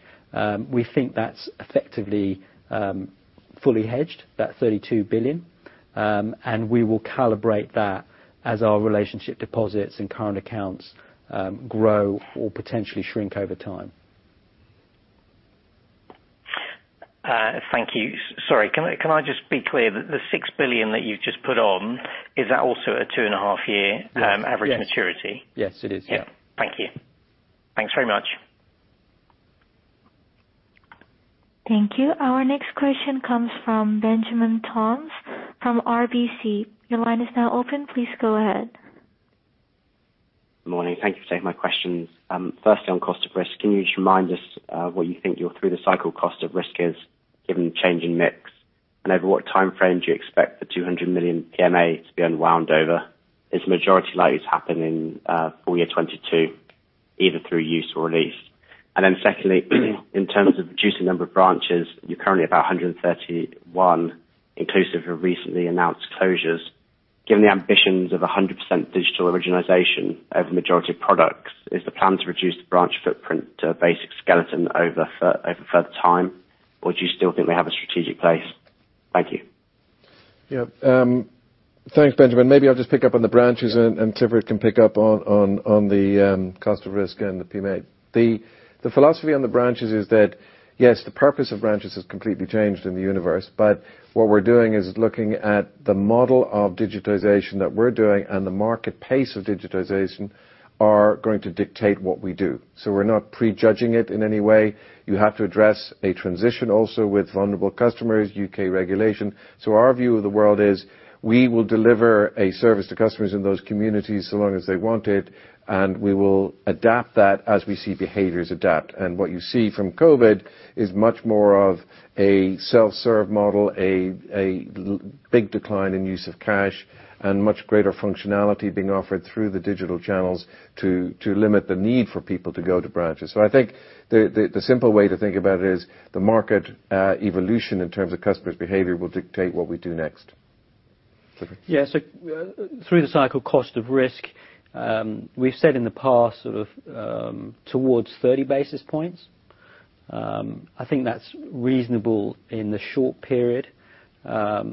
S3: We think that's effectively fully hedged, that 32 billion. We will calibrate that as our relationship deposits and current accounts grow or potentially shrink over time. Thank you. Sorry, can I just be clear? The 6 billion that you've just put on, is that also a 2.5-year-
S13: Yes.
S3: average maturity?
S13: Yes, it is. Yeah.
S3: Thank you. Thanks very much.
S6: Thank you. Our next question comes from Benjamin Toms from RBC. Your line is now open. Please go ahead. Morning. Thank you for taking my questions. Firstly, on cost of risk, can you just remind us what you think your through the cycle cost of risk is given the change in mix? Over what timeframe do you expect the 200 million PMA to be unwound over? Is the majority likely to happen in full year 2022, either through use or release? Secondly, in terms of reducing the number of branches, you're currently about 131, inclusive of recently announced closures. Given the ambitions of 100% digital origination over the majority of products, is the plan to reduce the branch footprint to a basic skeleton over further time, or do you still think they have a strategic place? Thank you.
S3: Yeah. Thanks, Benjamin. Maybe I'll just pick up on the branches, and Clifford can pick up on the cost of risk and the PMA. The philosophy on the branches is that, yes, the purpose of branches has completely changed in the universe. What we're doing is looking at the model of digitization that we're doing and the market pace of digitization are going to dictate what we do. We're not pre-judging it in any way. You have to address a transition also with vulnerable customers, U.K. regulation. Our view of the world is we will deliver a service to customers in those communities so long as they want it, and we will adapt that as we see behaviors adapt. What you see from COVID is much more of a self-serve model, a big decline in use of cash, and much greater functionality being offered through the digital channels to limit the need for people to go to branches. I think the simple way to think about it is the market evolution in terms of customers' behavior will dictate what we do next. Clifford? Yeah. Through the cycle cost of risk, we've said in the past sort of towards 30 basis points. I think that's reasonable in the short period. I'd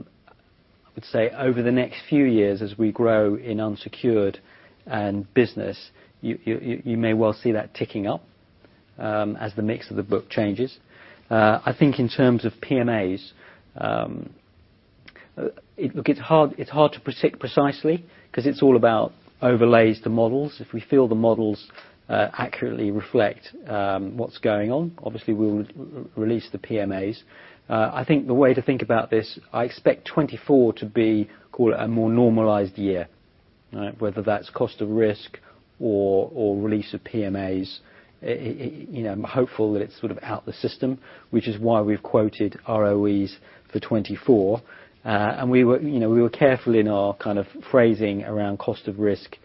S3: say over the next few years as we grow in unsecured and business, you may well see that ticking up as the mix of the book changes. I think in terms of PMAs. Look, it's hard to predict precisely 'cause it's all about overlays to models. If we feel the models accurately reflect what's going on, obviously we would release the PMAs. I think the way to think about this, I expect 2024 to be, call it, a more normalized year, right? Whether that's cost of risk or release of PMAs, it, you know, I'm hopeful that it's sort of out of the system, which is why we've quoted ROEs for 2024. We were, you know, careful in our kind of phrasing around cost of risk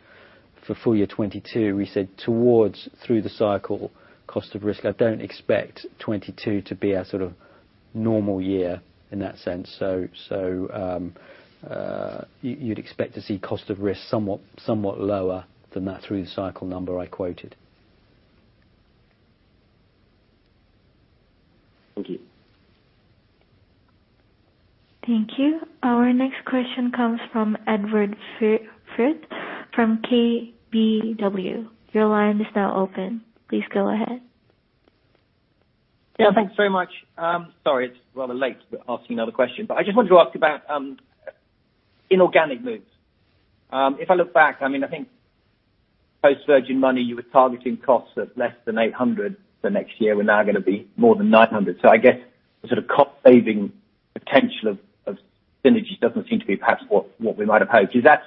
S3: for full year 2022. We said towards through-the-cycle cost of risk. I don't expect 2022 to be our sort of normal year in that sense. You'd expect to see cost of risk somewhat lower than that through-the-cycle number I quoted.
S14: Thank you.
S6: Thank you. Our next question comes from Edward Firth from KBW. Your line is now open. Please go ahead. Yeah, thanks very much. Sorry, it's rather late asking another question. I just wanted to ask about inorganic moves. If I look back, I mean, I think post Virgin Money you were targeting costs of less than 800 for next year. We're now gonna be more than 900. I guess the sort of cost saving potential of synergies doesn't seem to be perhaps what we might have hoped. Does that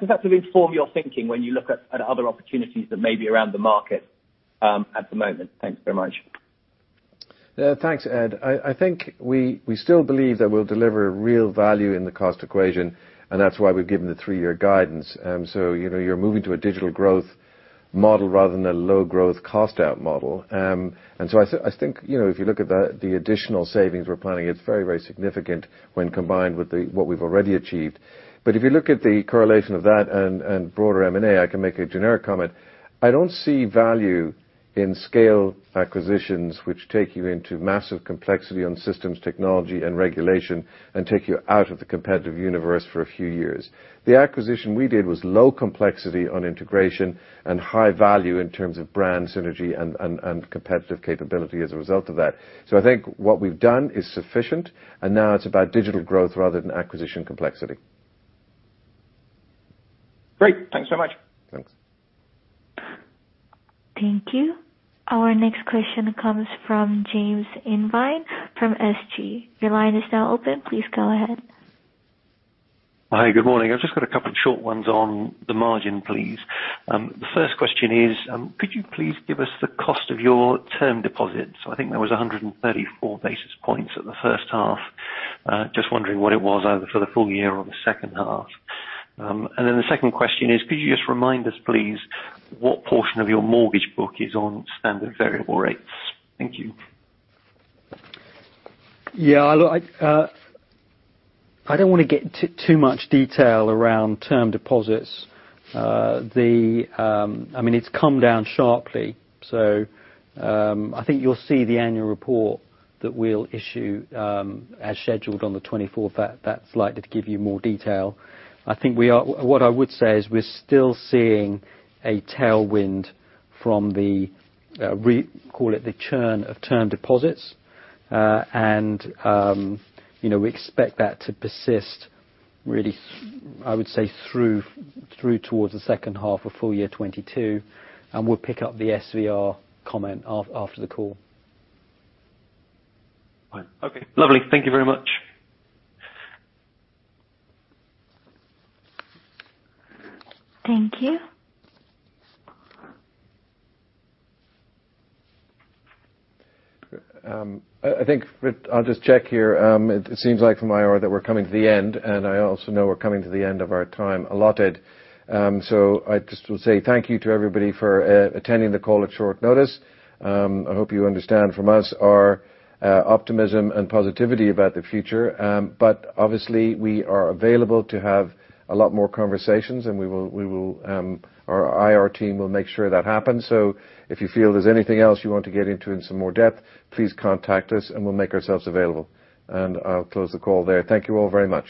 S6: sort of inform your thinking when you look at other opportunities that may be around the market at the moment? Thanks very much.
S3: Yeah. Thanks, Ed. I think we still believe that we'll deliver real value in the cost equation, and that's why we've given the three-year guidance. You know, you're moving to a digital growth model rather than a low growth cost out model. I think, you know, if you look at the additional savings we're planning, it's very, very significant when combined with what we've already achieved. If you look at the correlation of that and broader M&A, I can make a generic comment. I don't see value in scale acquisitions which take you into massive complexity on systems, technology, and regulation, and take you out of the competitive universe for a few years. The acquisition we did was low complexity on integration and high value in terms of brand synergy and competitive capability as a result of that. I think what we've done is sufficient, and now it's about digital growth rather than acquisition complexity.
S7: Great. Thanks so much.
S3: Thanks.
S6: Thank you. Our next question comes from James Irvine from SG. Your line is now open. Please go ahead. Hi. Good morning. I've just got a couple of short ones on the margin, please. The first question is, could you please give us the cost of your term deposits? I think there was 134 basis points at the first half. Just wondering what it was either for the full year or the second half. The second question is could you just remind us please what portion of your mortgage book is on standard variable rates? Thank you.
S3: Yeah. Look, I don't wanna get too much detail around term deposits. I mean, it's come down sharply, so I think you'll see the annual report that we'll issue as scheduled on the twenty-fourth. That's likely to give you more detail. What I would say is we're still seeing a tailwind from the, call it the churn of term deposits. You know, we expect that to persist really. I would say through towards the second half of full year 2022, and we'll pick up the SVR comment after the call.
S15: Fine. Okay, lovely. Thank you very much.
S6: Thank you.
S3: I think I'll just check here. It seems like from IR that we're coming to the end, and I also know we're coming to the end of our time allotted. So I just will say thank you to everybody for attending the call at short notice. I hope you understand from us our optimism and positivity about the future. But obviously we are available to have a lot more conversations, and we will, our IR team will make sure that happens. So if you feel there's anything else you want to get into in some more depth, please contact us and we'll make ourselves available. I'll close the call there. Thank you all very much.